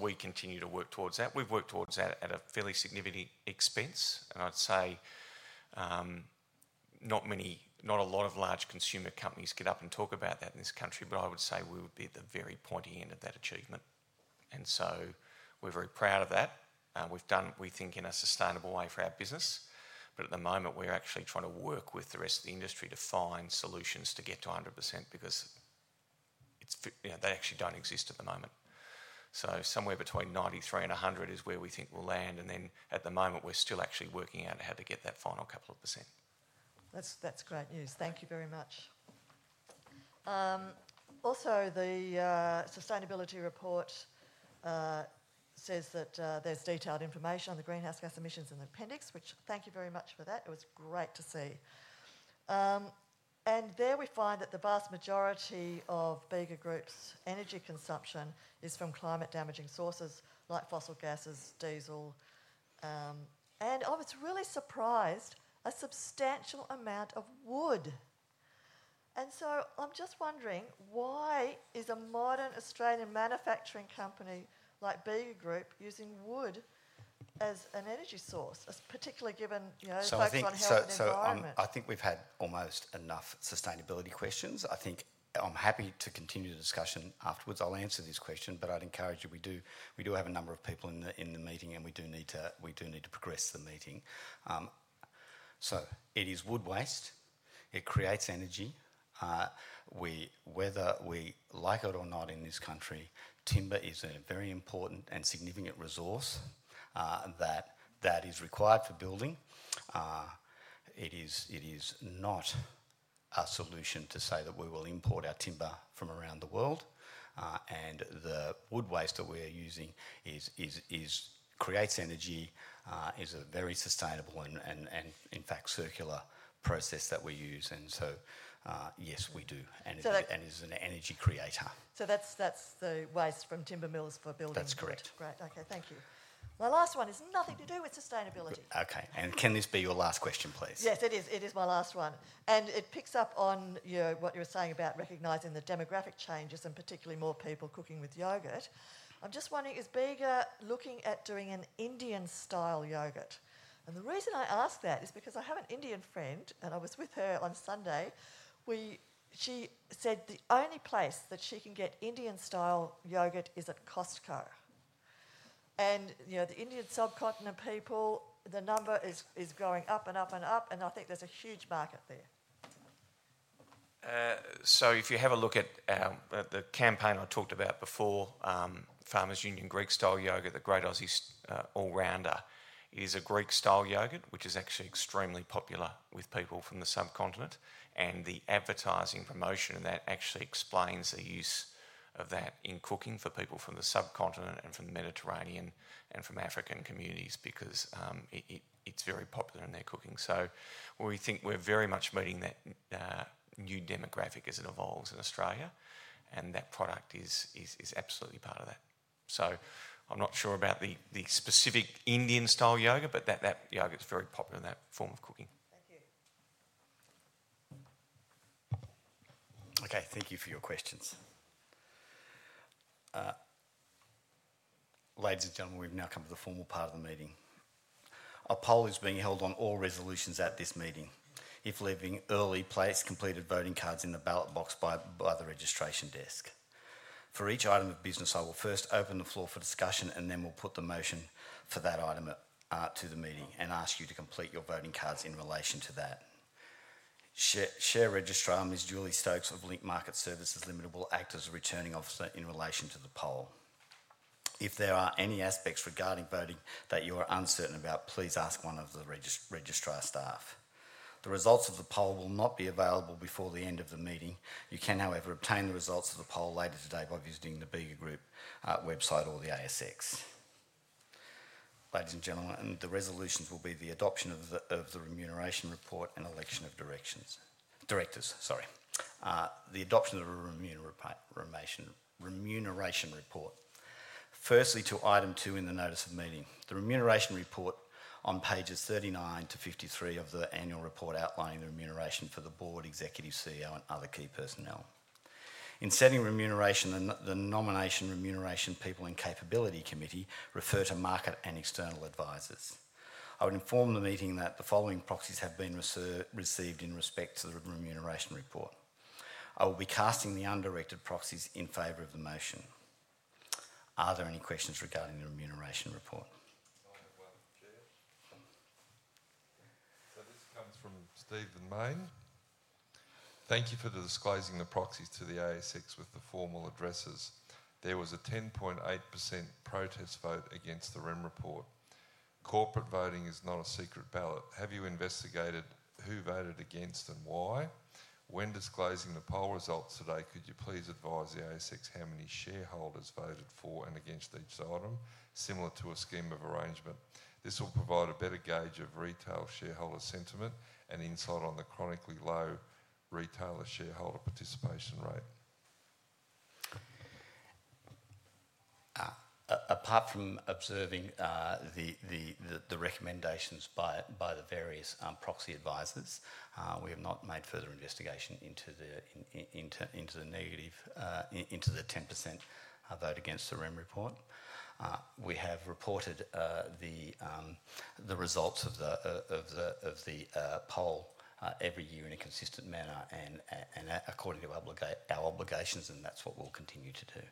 we continue to work towards that. We've worked towards that at a fairly significant expense. And I'd say not a lot of large consumer companies get up and talk about that in this country, but I would say we would be at the very pointy end of that achievement. And so we're very proud of that. We've done, we think, in a sustainable way for our business. But at the moment, we're actually trying to work with the rest of the industry to find solutions to get to 100% because they actually don't exist at the moment. So somewhere between 93% and 100% is where we think we'll land. And then at the moment, we're still actually working out how to get that final couple of %. That's great news. Thank you very much. Also, the sustainability report says that there's detailed information on the greenhouse gas emissions in the appendix, which, thank you very much for that, it was great to see, and there we find that the vast majority of Bega Group's energy consumption is from climate-damaging sources like fossil gases, diesel, and I was really surprised, a substantial amount of wood, and so I'm just wondering, why is a modern Australian manufacturing company like Bega Group using wood as an energy source, particularly given focus on health and environment. I think we've had almost enough sustainability questions, I think I'm happy to continue the discussion afterwards, I'll answer this question, but I'd encourage you, we do have a number of people in the meeting, and we do need to progress the meeting, so it is wood waste, it creates energy. Whether we like it or not in this country, timber is a very important and significant resource that is required for building. It is not a solution to say that we will import our timber from around the world. And the wood waste that we're using creates energy. It's a very sustainable and, in fact, circular process that we use. And so yes, we do. And it's an energy creator. So that's the waste from timber mills for buildings. That's correct. Great. Okay. Thank you. My last one is nothing to do with sustainability. Okay. And can this be your last question, please? Yes, it is. It is my last one. And it picks up on what you were saying about recognizing the demographic changes and particularly more people cooking with yogurt. I'm just wondering, is Bega looking at doing an Indian-style yogurt? The reason I ask that is because I have an Indian friend, and I was with her on Sunday. She said the only place that she can get Indian-style yogurt is at Costco. The Indian subcontinent people, the number is going up and up and up. I think there's a huge market there. If you have a look at the campaign I talked about before, Farmers Union Greek-style yogurt, the Great Aussie All-Rounder, is a Greek-style yogurt, which is actually extremely popular with people from the subcontinent. The advertising promotion of that actually explains the use of that in cooking for people from the subcontinent and from the Mediterranean and from African communities because it's very popular in their cooking. We think we're very much meeting that new demographic as it evolves in Australia. That product is absolutely part of that. So I'm not sure about the specific Indian-style yogurt, but that yogurt's very popular in that form of cooking. Thank you. Okay. Thank you for your questions. Ladies and gentlemen, we've now come to the formal part of the meeting. A poll is being held on all resolutions at this meeting. If leaving early, place completed voting cards in the ballot box by the registration desk. For each item of business, I will first open the floor for discussion, and then we'll put the motion for that item to the meeting and ask you to complete your voting cards in relation to that. Share registrar, Ms. Julie Stokes of Link Market Services Limited, will act as a returning officer in relation to the poll. If there are any aspects regarding voting that you are uncertain about, please ask one of the registrar staff. The results of the poll will not be available before the end of the meeting. You can, however, obtain the results of the poll later today by visiting the Bega Group website or the ASX. Ladies and gentlemen, the resolutions will be the adoption of the remuneration report and election of directors. Sorry. The adoption of the remuneration report. Firstly, to item two in the notice of meeting. The remuneration report on pages 39 to 53 of the annual report outlining the remuneration for the board, executive CEO, and other key personnel. In setting remuneration, the nomination remuneration people and capability committee refer to market and external advisors. I would inform the meeting that the following proxies have been received in respect to the remuneration report. I will be casting the undirected proxies in favor of the motion. Are there any questions regarding the remuneration report? So this comes from Stephen Mayne. Thank you for disclosing the proxies to the ASX with the formal addresses. There was a 10.8% protest vote against the REM report. Corporate voting is not a secret ballot. Have you investigated who voted against and why? When disclosing the poll results today, could you please advise the ASX how many shareholders voted for and against each item, similar to a scheme of arrangement? This will provide a better gauge of retail shareholder sentiment and insight on the chronically low retail shareholder participation rate. Apart from observing the recommendations by the various proxy advisors, we have not made further investigation into the negative, into the 10% vote against the REM report. We have reported the results of the poll every year in a consistent manner and according to our obligations, and that's what we'll continue to do.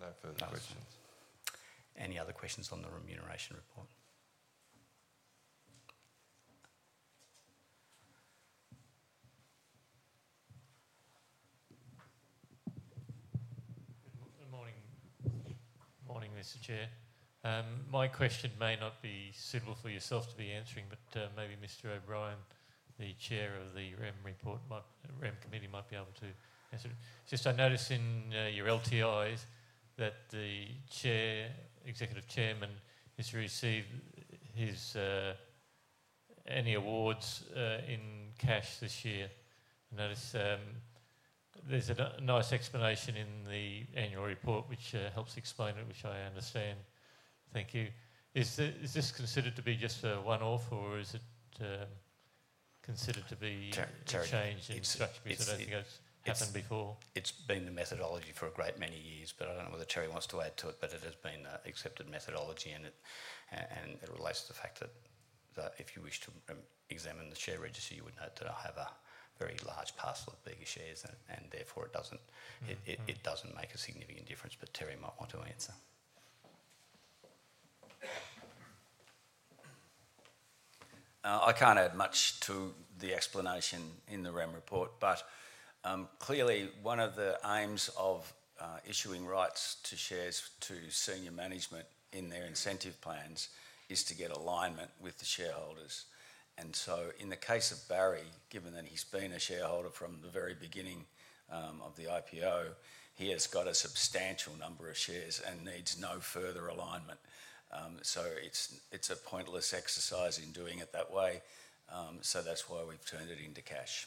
No further questions. Any other questions on the remuneration report? Good morning. Morning, Mr. Chair. My question may not be suitable for yourself to be answering, but maybe Mr. O’Brien, the chair of the remuneration report, remuneration committee might be able to answer it. Just I noticed in your LTIs that the executive chairman, Mr. Irvin, has any awards in cash this year. I noticed there's a nice explanation in the annual report, which helps explain it, which I understand. Thank you. Is this considered to be just a one-off, or is it considered to be a change in structure? It's been the methodology for a great many years, but I don't know whether Terry wants to add to it, but it has been an accepted methodology, and it relates to the fact that if you wish to examine the share registry, you would note that I have a very large parcel of Bega shares, and therefore it doesn't make a significant difference. But Terry might want to answer. I can't add much to the explanation in the REM report, but clearly, one of the aims of issuing rights to shares to senior management in their incentive plans is to get alignment with the shareholders. And so in the case of Barry, given that he's been a shareholder from the very beginning of the IPO, he has got a substantial number of shares and needs no further alignment. So it's a pointless exercise in doing it that way. So that's why we've turned it into cash.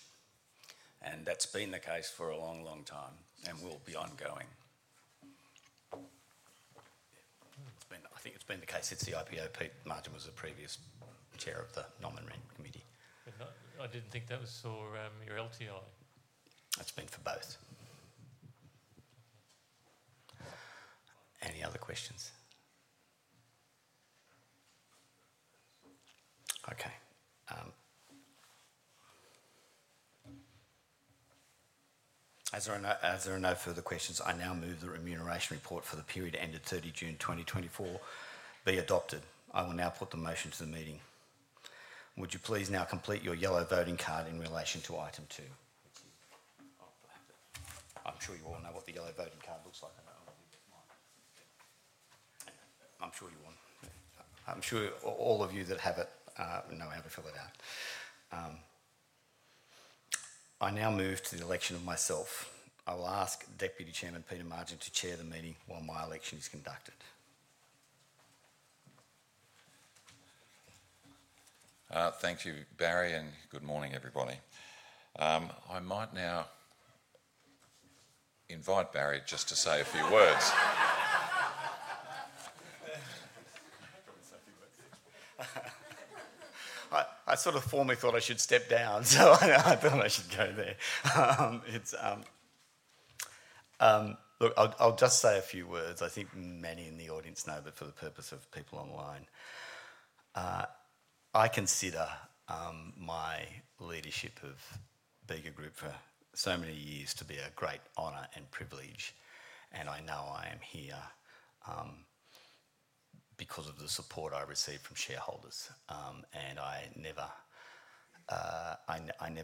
And that's been the case for a long, long time and will be ongoing. I think it's been the case. It's the IPO. Peter Margin was the previous chair of the nominations committee. I didn't think that was for your LTI. That's been for both. Any other questions? Okay. As there are no further questions, I now move the remuneration report for the period ended 30 June 2024 be adopted. I will now put the motion to the meeting. Would you please now complete your yellow voting card in relation to item two? I'm sure you all know what the yellow voting card looks like. I'm sure you want. I'm sure all of you that have it know how to fill it out. I now move to the election of myself. I will ask Deputy Chairman Peter Margin to chair the meeting while my election is conducted. Thank you, Barry, and good morning, everybody. I might now invite Barry just to say a few words. I sort of formally thought I should step down, so I thought I should go there. Look, I'll just say a few words. I think many in the audience know that, for the purpose of people online. I consider my leadership of Bega Group for so many years to be a great honor and privilege. And I know I am here because of the support I received from shareholders. And I never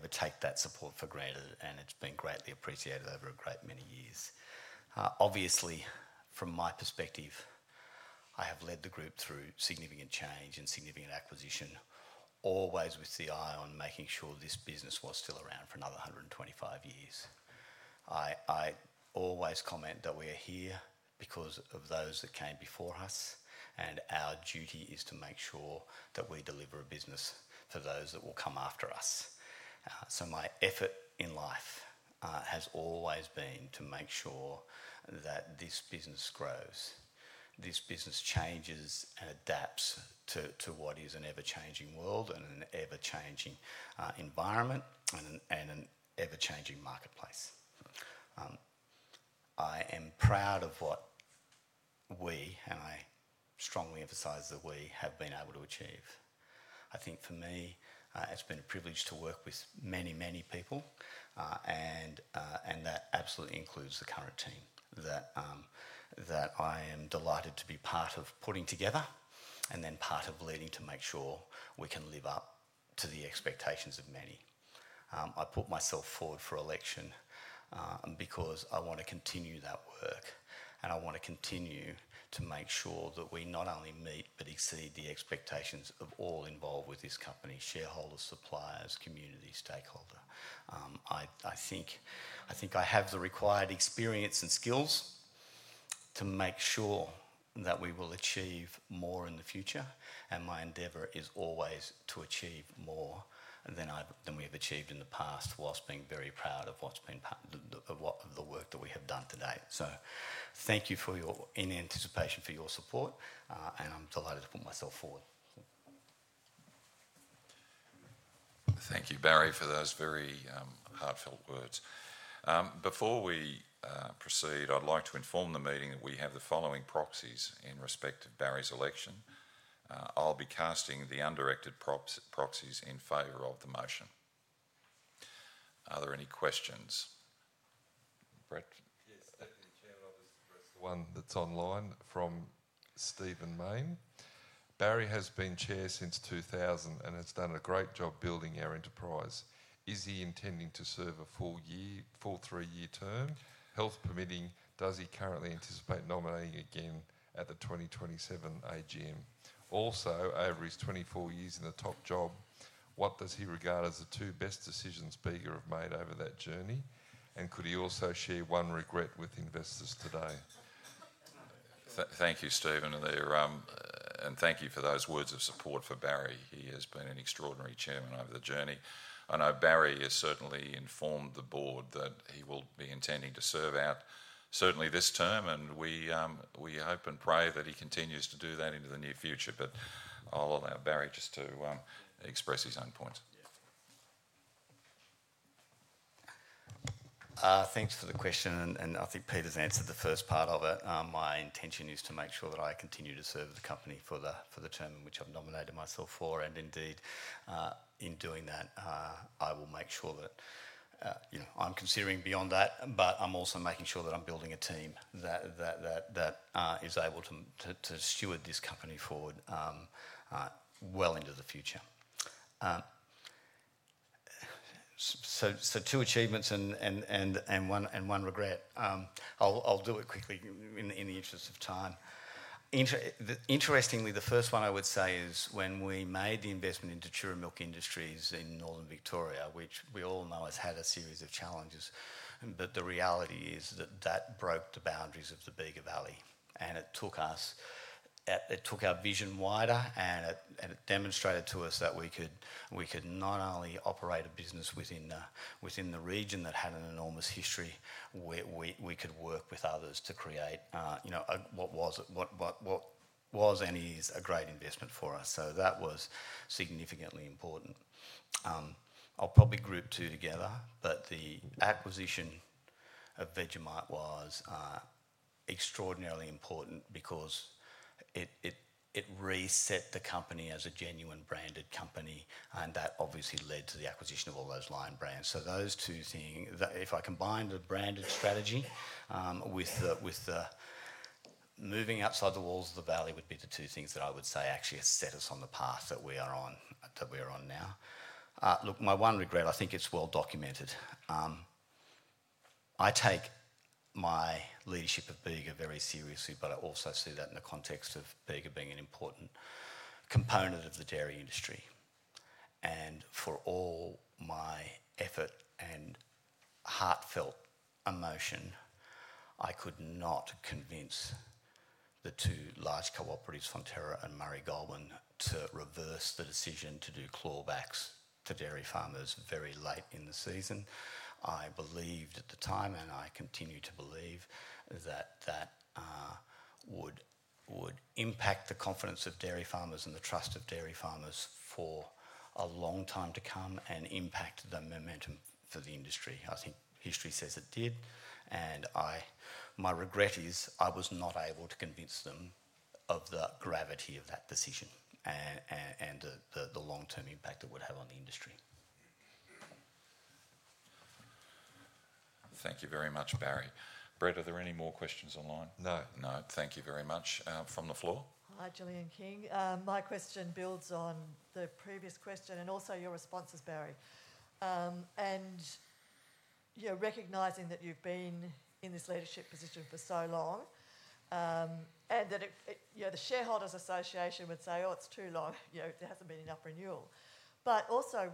take that support for granted, and it's been greatly appreciated over a great many years. Obviously, from my perspective, I have led the group through significant change and significant acquisition, always with the eye on making sure this business was still around for another 125 years. I always comment that we are here because of those that came before us, and our duty is to make sure that we deliver a business for those that will come after us. So my effort in life has always been to make sure that this business grows, this business changes and adapts to what is an ever-changing world and an ever-changing environment and an ever-changing marketplace. I am proud of what we, and I strongly emphasize that we have been able to achieve. I think for me, it's been a privilege to work with many, many people, and that absolutely includes the current team that I am delighted to be part of putting together and then part of leading to make sure we can live up to the expectations of many. I put myself forward for election because I want to continue that work, and I want to continue to make sure that we not only meet but exceed the expectations of all involved with this company: shareholders, suppliers, community, stakeholder. I think I have the required experience and skills to make sure that we will achieve more in the future, and my endeavor is always to achieve more than we have achieved in the past whilst being very proud of the work that we have done today. So thank you in anticipation for your support, and I'm delighted to put myself forward. Thank you, Barry, for those very heartfelt words. Before we proceed, I'd like to inform the meeting that we have the following proxies in respect of Barry's election. I'll be casting the undirected proxies in favor of the motion. Are there any questions? Yes, Deputy Chairman of the one that's online from Stephen Mayne. Barry has been chair since 2000 and has done a great job building our enterprise. Is he intending to serve a full three-year term? Health permitting, does he currently anticipate nominating again at the 2027 AGM? Also, over his 24 years in the top job, what does he regard as the two best decisions Bega have made over that journey? And could he also share one regret with investors today? Thank you, Stephen, and thank you for those words of support for Barry. He has been an extraordinary chairman over the journey. I know Barry has certainly informed the board that he will be intending to serve out certainly this term, and we hope and pray that he continues to do that into the near future, but I'll allow Barry just to express his own points. Thanks for the question, and I think Peter's answered the first part of it. My intention is to make sure that I continue to serve the company for the term in which I've nominated myself for. And indeed, in doing that, I will make sure that I'm considering beyond that, but I'm also making sure that I'm building a team that is able to steward this company forward well into the future, so two achievements and one regret. I'll do it quickly in the interest of time. Interestingly, the first one I would say is when we made the investment into Tatura Milk Industries in Northern Victoria, which we all know has had a series of challenges. But the reality is that that broke the boundaries of the Bega Valley, and it took our vision wider, and it demonstrated to us that we could not only operate a business within the region that had an enormous history where we could work with others to create what was and is a great investment for us. So that was significantly important. I'll probably group two together, but the acquisition of Vegemite was extraordinarily important because it reset the company as a genuine branded company, and that obviously led to the acquisition of all those line brands. So those two things, if I combine the branded strategy with the moving outside the walls of the valley, would be the two things that I would say actually set us on the path that we are on now. Look, my one regret, I think it's well documented. I take my leadership of Bega very seriously, but I also see that in the context of Bega being an important component of the dairy industry. And for all my effort and heartfelt emotion, I could not convince the two large cooperatives, Fonterra and Murray Goulburn, to reverse the decision to do clawbacks to dairy farmers very late in the season. I believed at the time, and I continue to believe, that that would impact the confidence of dairy farmers and the trust of dairy farmers for a long time to come and impact the momentum for the industry. I think history says it did. And my regret is I was not able to convince them of the gravity of that decision and the long-term impact it would have on the industry. Thank you very much, Barry. Brett, are there any more questions online? No. No. Thank you very much. From the floor? Hi, Jillian King. My question builds on the previous question and also your responses, Barry. And recognizing that you've been in this leadership position for so long and that the shareholders' association would say, "Oh, it's too long. There hasn't been enough renewal." But also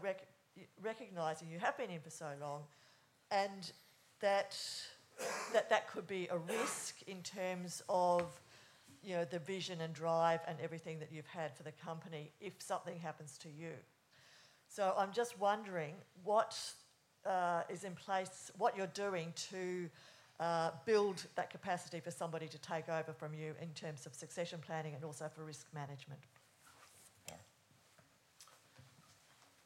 recognizing you have been in for so long and that that could be a risk in terms of the vision and drive and everything that you've had for the company if something happens to you. I'm just wondering what is in place, what you're doing to build that capacity for somebody to take over from you in terms of succession planning and also for risk management?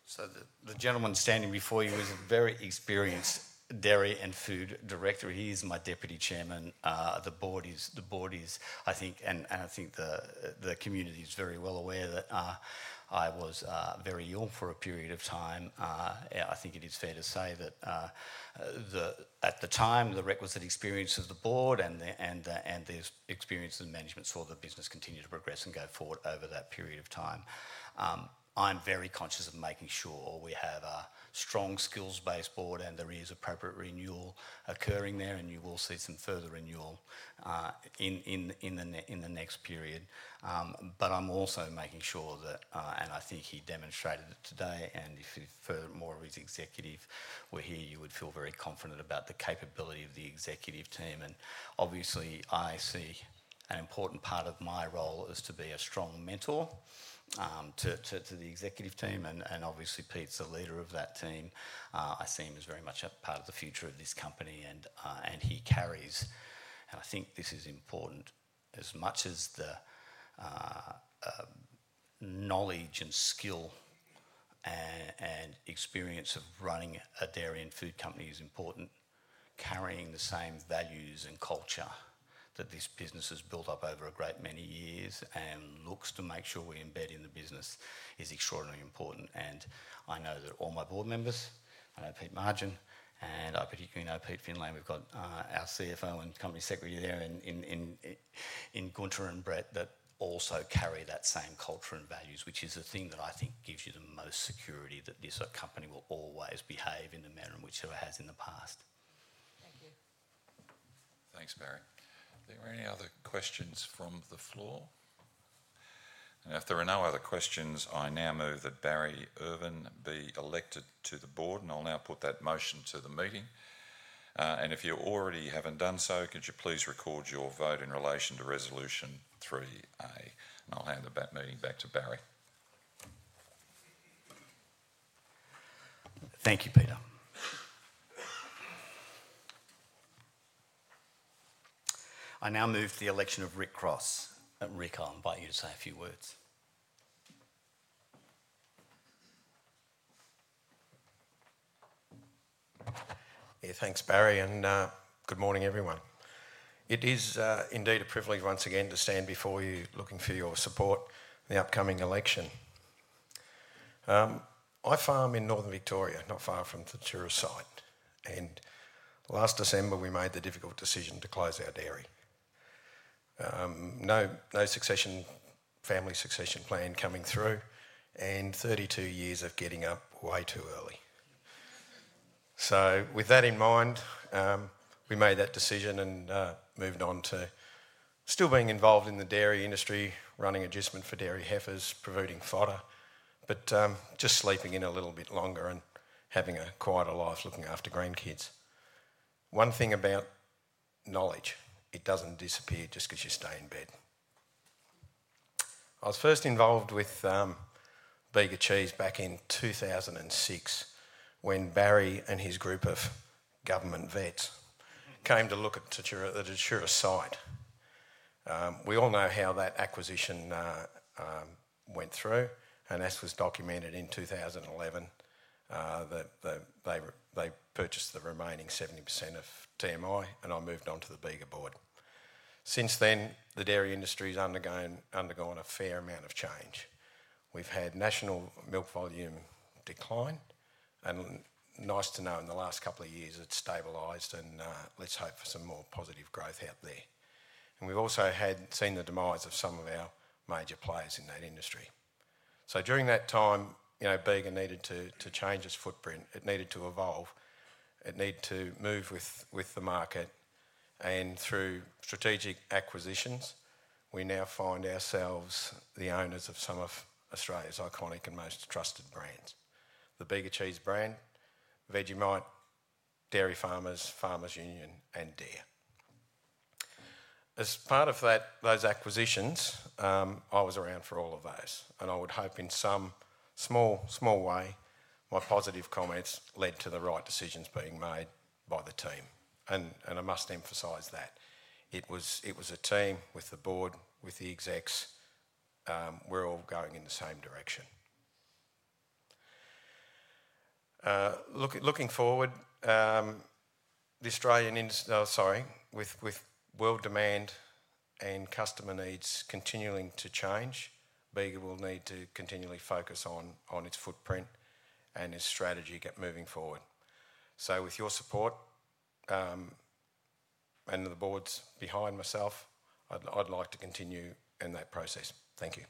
So the gentleman standing before you is a very experienced dairy and food director. He is my Deputy Chairman. The board is, I think, and I think the community is very well aware that I was very ill for a period of time. I think it is fair to say that at the time, the requisite experience of the board and the experience of management saw the business continue to progress and go forward over that period of time. I'm very conscious of making sure we have a strong skills-based board and there is appropriate renewal occurring there, and you will see some further renewal in the next period. But I'm also making sure that, and I think he demonstrated it today, and if more of his executive were here, you would feel very confident about the capability of the executive team. And obviously, I see an important part of my role as to be a strong mentor to the executive team. And obviously, Pete's the leader of that team. I see him as very much a part of the future of this company, and he carries. And I think this is important as much as the knowledge and skill and experience of running a dairy and food company is important. Carrying the same values and culture that this business has built up over a great many years and looks to make sure we embed in the business is extraordinarily important. And I know that all my board members, I know Pete Margin, and I particularly know Pete Findlay. We've got our CFO and company secretary there in Gunther and Brett that also carry that same culture and values, which is the thing that I think gives you the most security that this company will always behave in the manner in which it has in the past. Thank you. Thanks, Barry. Are there any other questions from the floor? And if there are no other questions, I now move that Barry Irvin be elected to the board, and I'll now put that motion to the meeting. And if you already haven't done so, could you please record your vote in relation to resolution 3A? And I'll hand the meeting back to Barry. Thank you, Peter. I now move the election of Rick Cross. Rick, I'll invite you to say a few words. Yeah, thanks, Barry, and good morning, everyone. It is indeed a privilege once again to stand before you looking for your support in the upcoming election. I farm in Northern Victoria, not far from the Cherus site. And last December, we made the difficult decision to close our dairy. No family succession plan coming through and 32 years of getting up way too early. So with that in mind, we made that decision and moved on to still being involved in the dairy industry, running adjustment for dairy heifers, providing fodder, but just sleeping in a little bit longer and having quite a life looking after grandkids. One thing about knowledge, it doesn't disappear just because you stay in bed. I was first involved with Bega Cheese back in 2006 when Barry and his group of government vets came to look at the Cherus site. We all know how that acquisition went through, and this was documented in 2011. They purchased the remaining 70% of TMI, and I moved on to the Bega board. Since then, the dairy industry has undergone a fair amount of change. We've had national milk volume decline, and nice to know in the last couple of years it's stabilised and let's hope for some more positive growth out there, and we've also seen the demise of some of our major players in that industry, so during that time, Bega needed to change its footprint. It needed to evolve. It needed to move with the market. And through strategic acquisitions, we now find ourselves the owners of some of Australia's iconic and most trusted brands: the Bega Cheese brand, Vegemite, Dairy Farmers, Farmers Union, and DARE. As part of those acquisitions, I was around for all of those, and I would hope in some small way my positive comments led to the right decisions being made by the team, and I must emphasize that. It was a team with the board, with the execs. We're all going in the same direction. Looking forward, the Australian industry, sorry, with world demand and customer needs continuing to change, Bega will need to continually focus on its footprint and its strategy moving forward, so with your support and the boards behind myself, I'd like to continue in that process. Thank you.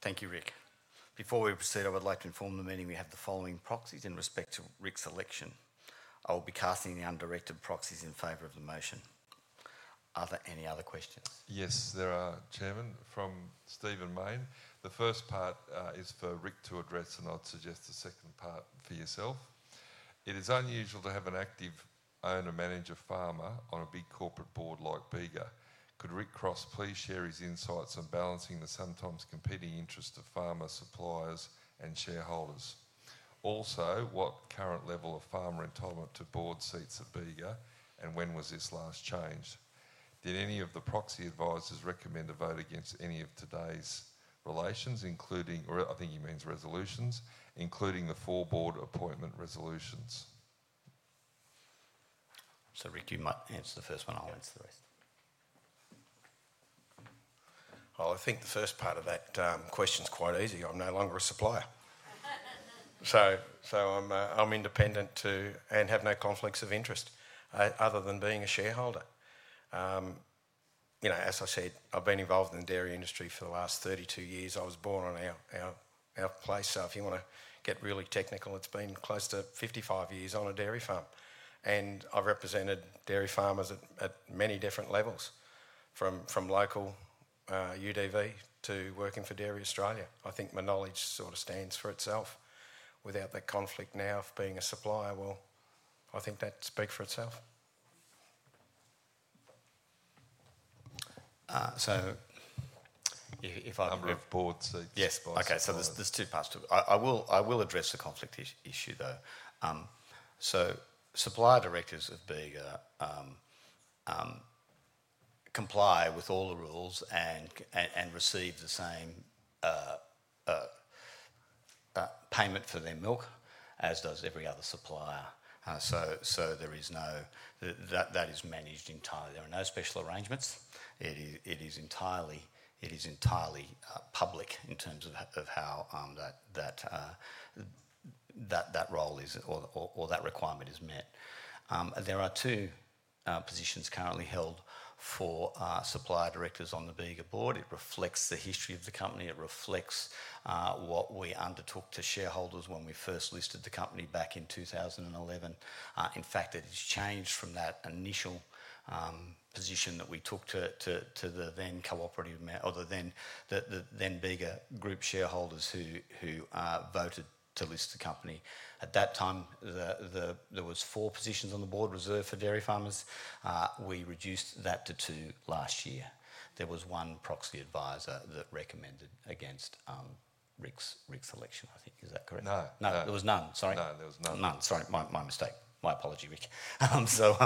Thank you, Rick. Before we proceed, I would like to inform the meeting we have the following proxies in respect to Rick's election. I will be casting the undirected proxies in favor of the motion. Are there any other questions? Yes, there are, Chairman, from Stephen Mayne. The first part is for Rick to address, and I'd suggest the second part for yourself. It is unusual to have an active owner, manager, farmer on a big corporate board like Bega. Could Rick Cross please share his insights on balancing the sometimes competing interests of farmers, suppliers, and shareholders? Also, what current level of farmer entitlement to board seats at Bega? And when was this last changed? Did any of the proxy advisors recommend a vote against any of today's relations, including—or I think he means resolutions—including the full board appointment resolutions? So Rick, you might answer the first one. I'll answer the rest, well, I think the first part of that question is quite easy. I'm no longer a supplier. So I'm independent and have no conflicts of interest other than being a shareholder. As I said, I've been involved in the dairy industry for the last 32 years. I was born on our place. So if you want to get really technical, it's been close to 55 years on a dairy farm. And I've represented dairy farmers at many different levels, from local UDV to working for Dairy Australia. I think my knowledge sort of stands for itself. Without that conflict now of being a supplier, well, I think that'd speak for itself. So if I can. I'm Rick Ports. Yes, boys. Okay, so there's two parts to it. I will address the conflict issue, though. So supplier directors of Bega comply with all the rules and receive the same payment for their milk, as does every other supplier. So there is no, that is managed entirely. There are no special arrangements. It is entirely public in terms of how that role is or that requirement is met. There are two positions currently held for supplier directors on the Bega board. It reflects the history of the company. It reflects what we undertook to shareholders when we first listed the company back in 2011. In fact, it has changed from that initial position that we took to the then cooperative or the then Bega Group shareholders who voted to list the company. At that time, there were four positions on the board reserved for dairy farmers. We reduced that to two last year. There was one proxy advisor that recommended against Rick's election, I think. Is that correct? No. No, there was none. Sorry. My mistake. My apology, Rick. So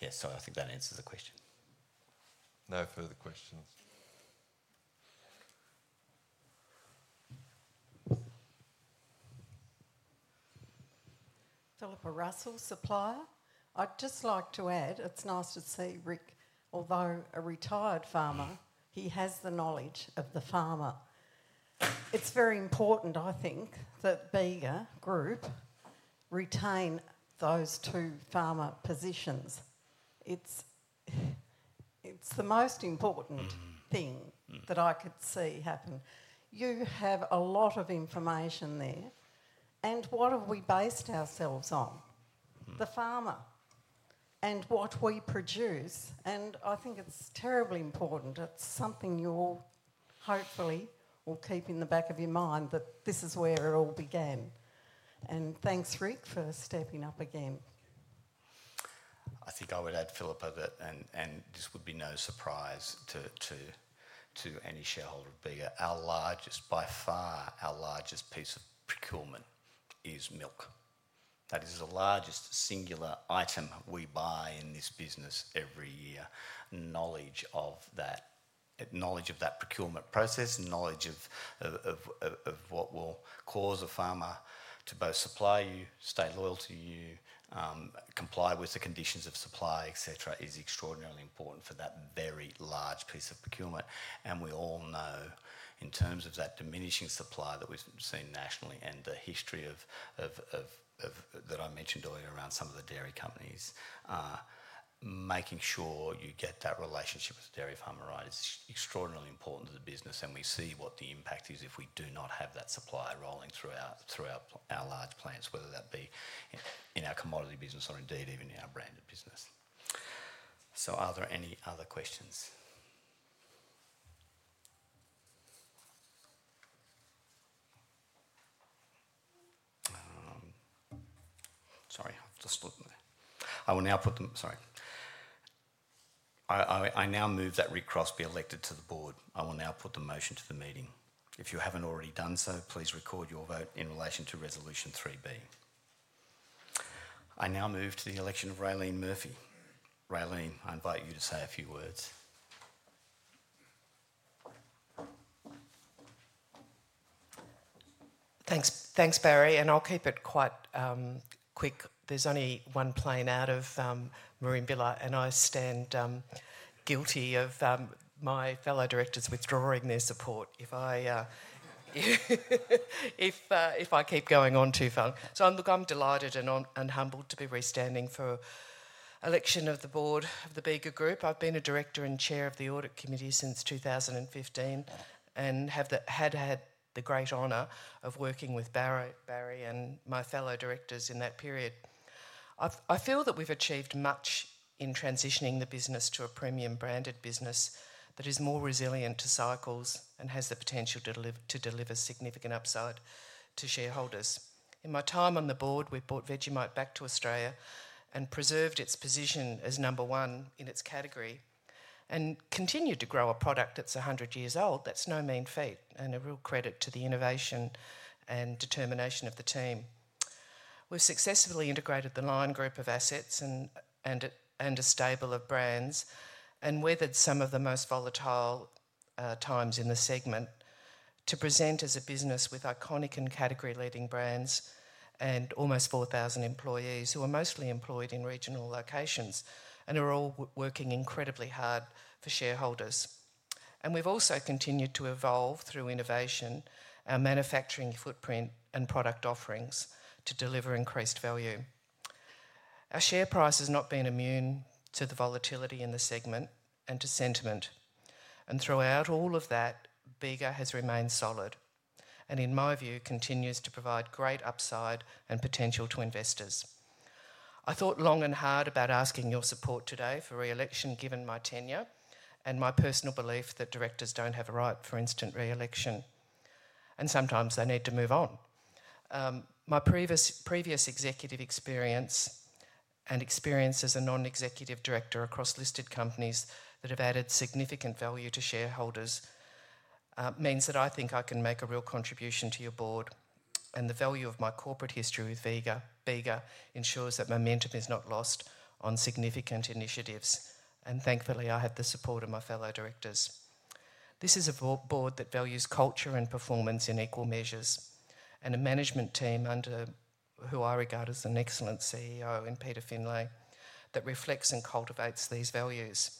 yes, so I think that answers the question. No further questions. Philippa Russell, supplier. I'd just like to add it's nice to see Rick, although a retired farmer, he has the knowledge of the farmer. It's very important, I think, that Bega Group retain those two farmer positions. It's the most important thing that I could see happen. You have a lot of information there. And what have we based ourselves on? The farmer and what we produce. And I think it's terribly important. It's something you'll hopefully keep in the back of your mind that this is where it all began. And thanks, Rick, for stepping up again. I think I would add, Philippa, that—and this would be no surprise to any shareholder of Bega—our largest, by far our largest piece of procurement is milk. That is the largest singular item we buy in this business every year. Knowledge of that procurement process, knowledge of what will cause a farmer to both supply you, stay loyal to you, comply with the conditions of supply, etc., is extraordinarily important for that very large piece of procurement. And we all know, in terms of that diminishing supply that we've seen nationally and the history of that I mentioned earlier around some of the dairy companies, making sure you get that relationship with the dairy farmer right is extraordinarily important to the business. And we see what the impact is if we do not have that supply rolling throughout our large plants, whether that be in our commodity business or indeed even in our branded business. So are there any other questions? Sorry, I'll just put them there. I will now put them, sorry. I now move that Rick Cross be elected to the board. I will now put the motion to the meeting. If you haven't already done so, please record your vote in relation to resolution 3B. I now move to the election of Raelene Murphy. Raelene, I invite you to say a few words. Thanks, Barry. I'll keep it quite quick. There's only one plane out of Merimbula, and I stand guilty of my fellow directors withdrawing their support if I keep going on too far. I'm delighted and humbled to be restanding for election of the board of the Bega Group. I've been a director and chair of the audit committee since 2015 and have had the great honour of working with Barry and my fellow directors in that period. I feel that we've achieved much in transitioning the business to a premium branded business that is more resilient to cycles and has the potential to deliver significant upside to shareholders. In my time on the board, we brought Vegemite back to Australia and preserved its position as number one in its category and continued to grow a product that's 100 years old. That's no mean feat and a real credit to the innovation and determination of the team. We've successfully integrated the Lion group of assets and a stable of brands and weathered some of the most volatile times in the segment to present as a business with iconic and category-leading brands and almost 4,000 employees who are mostly employed in regional locations and are all working incredibly hard for shareholders, and we've also continued to evolve through innovation, our manufacturing footprint, and product offerings to deliver increased value. Our share price has not been immune to the volatility in the segment and to sentiment, and throughout all of that, Bega has remained solid and, in my view, continues to provide great upside and potential to investors. I thought long and hard about asking your support today for re-election, given my tenure and my personal belief that directors don't have a right for instant re-election, and sometimes they need to move on. My previous executive experience and experience as a non-executive director across listed companies that have added significant value to shareholders means that I think I can make a real contribution to your board, and the value of my corporate history with Bega ensures that momentum is not lost on significant initiatives, and thankfully, I have the support of my fellow directors. This is a board that values culture and performance in equal measures and a management team under who I regard as an excellent CEO and Peter Findlay that reflects and cultivates these values.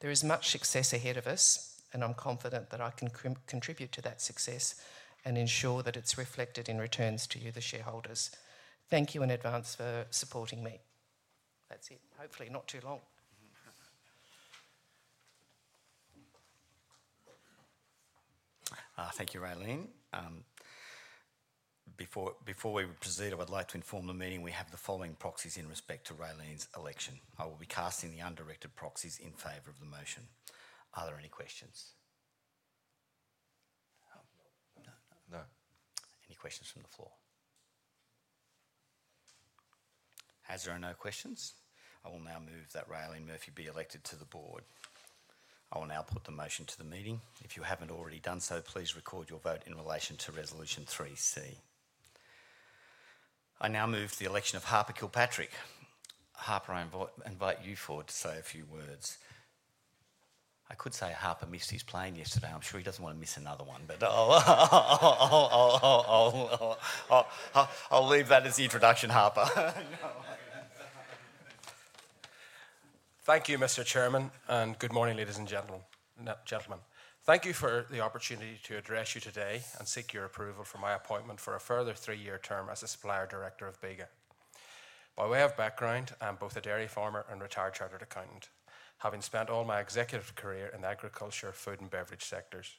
There is much success ahead of us, and I'm confident that I can contribute to that success and ensure that it's reflected in returns to you, the shareholders. Thank you in advance for supporting me. That's it. Hopefully, not too long. Thank you, Raelene. Before we proceed, I would like to inform the meeting we have the following proxies in respect to Raelene's election. I will be casting the undirected proxies in favor of the motion. Are there any questions? No. No. Any questions from the floor? As there are no questions, I will now move that Raelene Murphy be elected to the board. I will now put the motion to the meeting. If you haven't already done so, please record your vote in relation to resolution 3C. I now move the election of Harper Kilpatrick. Harper, I invite you forward to say a few words. I could say Harper missed his plane yesterday. I'm sure he doesn't want to miss another one, but I'll leave that as the introduction, Harper. Thank you, Mr. Chairman, and good morning, ladies and gentlemen. Thank you for the opportunity to address you today and seek your approval for my appointment for a further three-year term as a supplier director of Bega. By way of background, I'm both a dairy farmer and retired chartered accountant, having spent all my executive career in the agriculture, food, and beverage sectors.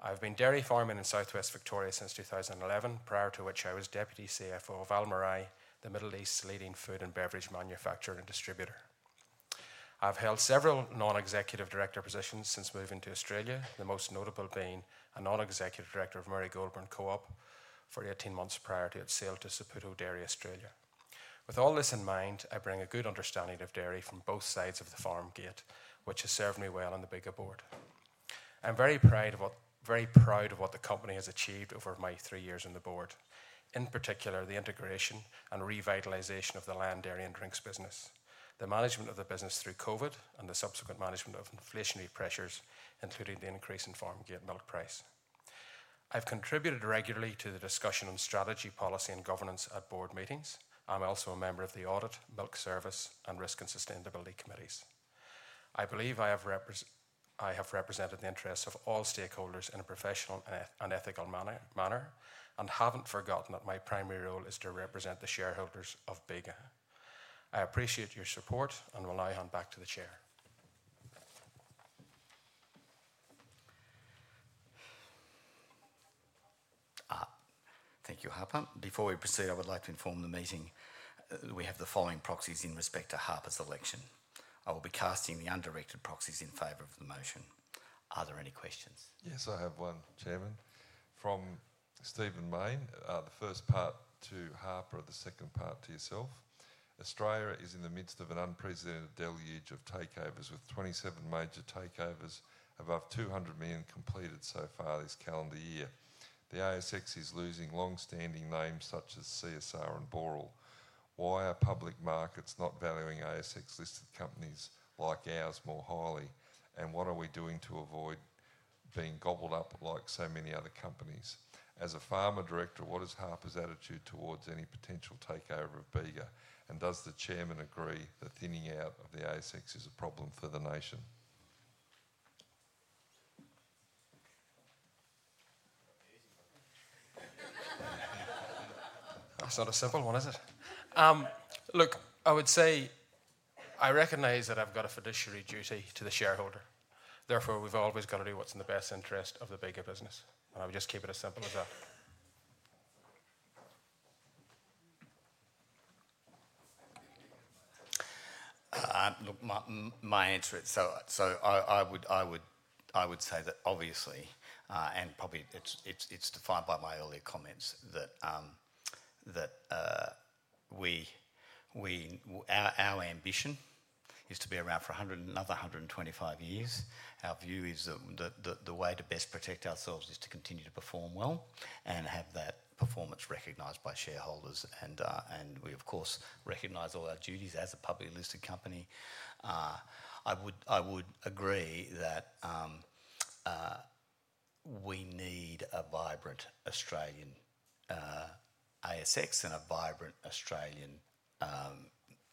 I've been dairy farming in southwest Victoria since 2011, prior to which I was deputy CFO of Almarai, the Middle East's leading food and beverage manufacturer and distributor. I've held several non-executive director positions since moving to Australia, the most notable being a non-executive director of Murray Goulburn Co-op for 18 months prior to its sale to Saputo Dairy Australia. With all this in mind, I bring a good understanding of dairy from both sides of the farm gate, which has served me well on the Bega board. I'm very proud of what the company has achieved over my three years on the board, in particular the integration and revitalization of the Lenah Dairy and Drinks business, the management of the business through COVID, and the subsequent management of inflationary pressures, including the increase in farm gate milk price. I've contributed regularly to the discussion on strategy, policy, and governance at board meetings. I'm also a member of the audit, milk pricing, and risk and sustainability committees. I believe I have represented the interests of all stakeholders in a professional and ethical manner and haven't forgotten that my primary role is to represent the shareholders of Bega. I appreciate your support and will now hand back to the chair. Thank you, Harper. Before we proceed, I would like to inform the meeting we have the following proxies in respect to Harper's election. I will be casting the undirected proxies in favor of the motion. Are there any questions? Yes, I have one, Chairman. From Stephen Mayne, the first part to Harper, the second part to yourself. Australia is in the midst of an unprecedented deluge of takeovers, with 27 major takeovers above 200 million completed so far this calendar year. The ASX is losing long-standing names such as CSR and Boral. Why are public markets not valuing ASX-listed companies like ours more highly? What are we doing to avoid being gobbled up like so many other companies? As a farmer director, what is Harper's attitude towards any potential takeover of Bega? And does the chairman agree that thinning out of the ASX is a problem for the nation? That's not a simple one, is it? Look, I would say I recognise that I've got a fiduciary duty to the shareholder. Therefore, we've always got to do what's in the best interest of the Bega business. And I would just keep it as simple as that. Look, my answer is so I would say that obviously, and probably it's defined by my earlier comments, that our ambition is to be around for another 125 years. Our view is that the way to best protect ourselves is to continue to perform well and have that performance recognised by shareholders. And we, of course, recognize all our duties as a publicly listed company. I would agree that we need a vibrant Australian ASX and a vibrant Australian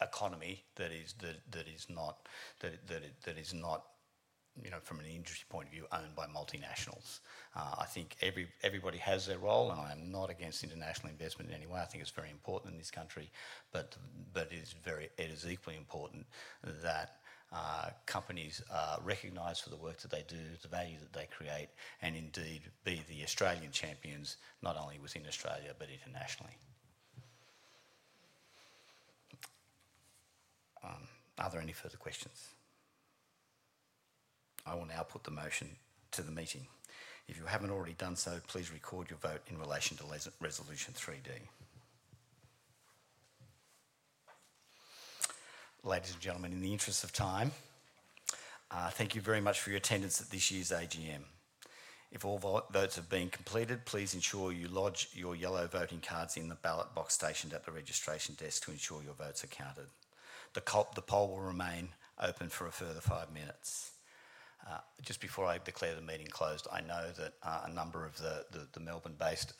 economy that is not from an industry point of view owned by multinationals. I think everybody has their role, and I am not against international investment in any way. I think it's very important in this country, but it is equally important that companies are recognized for the work that they do, the value that they create, and indeed be the Australian champions, not only within Australia but internationally. Are there any further questions? I will now put the motion to the meeting. If you haven't already done so, please record your vote in relation to resolution 3D. Ladies and gentlemen, in the interest of time, thank you very much for your attendance at this year's AGM. If all votes have been completed, please ensure you lodge your yellow voting cards in the ballot box stationed at the registration desk to ensure your votes are counted. The poll will remain open for a further five minutes. Just before I declare the meeting closed, I know that a number of the Melbourne-based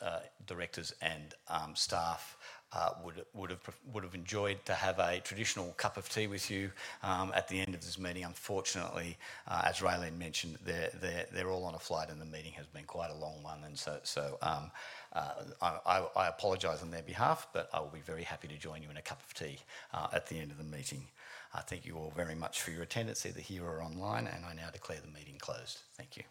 directors and staff would have enjoyed to have a traditional cup of tea with you at the end of this meeting. Unfortunately, as Raelene mentioned, they're all on a flight, and the meeting has been quite a long one. And so I apologize on their behalf, but I will be very happy to join you in a cup of tea at the end of the meeting. Thank you all very much for your attendance, either here or online. And I now declare the meeting closed. Thank you.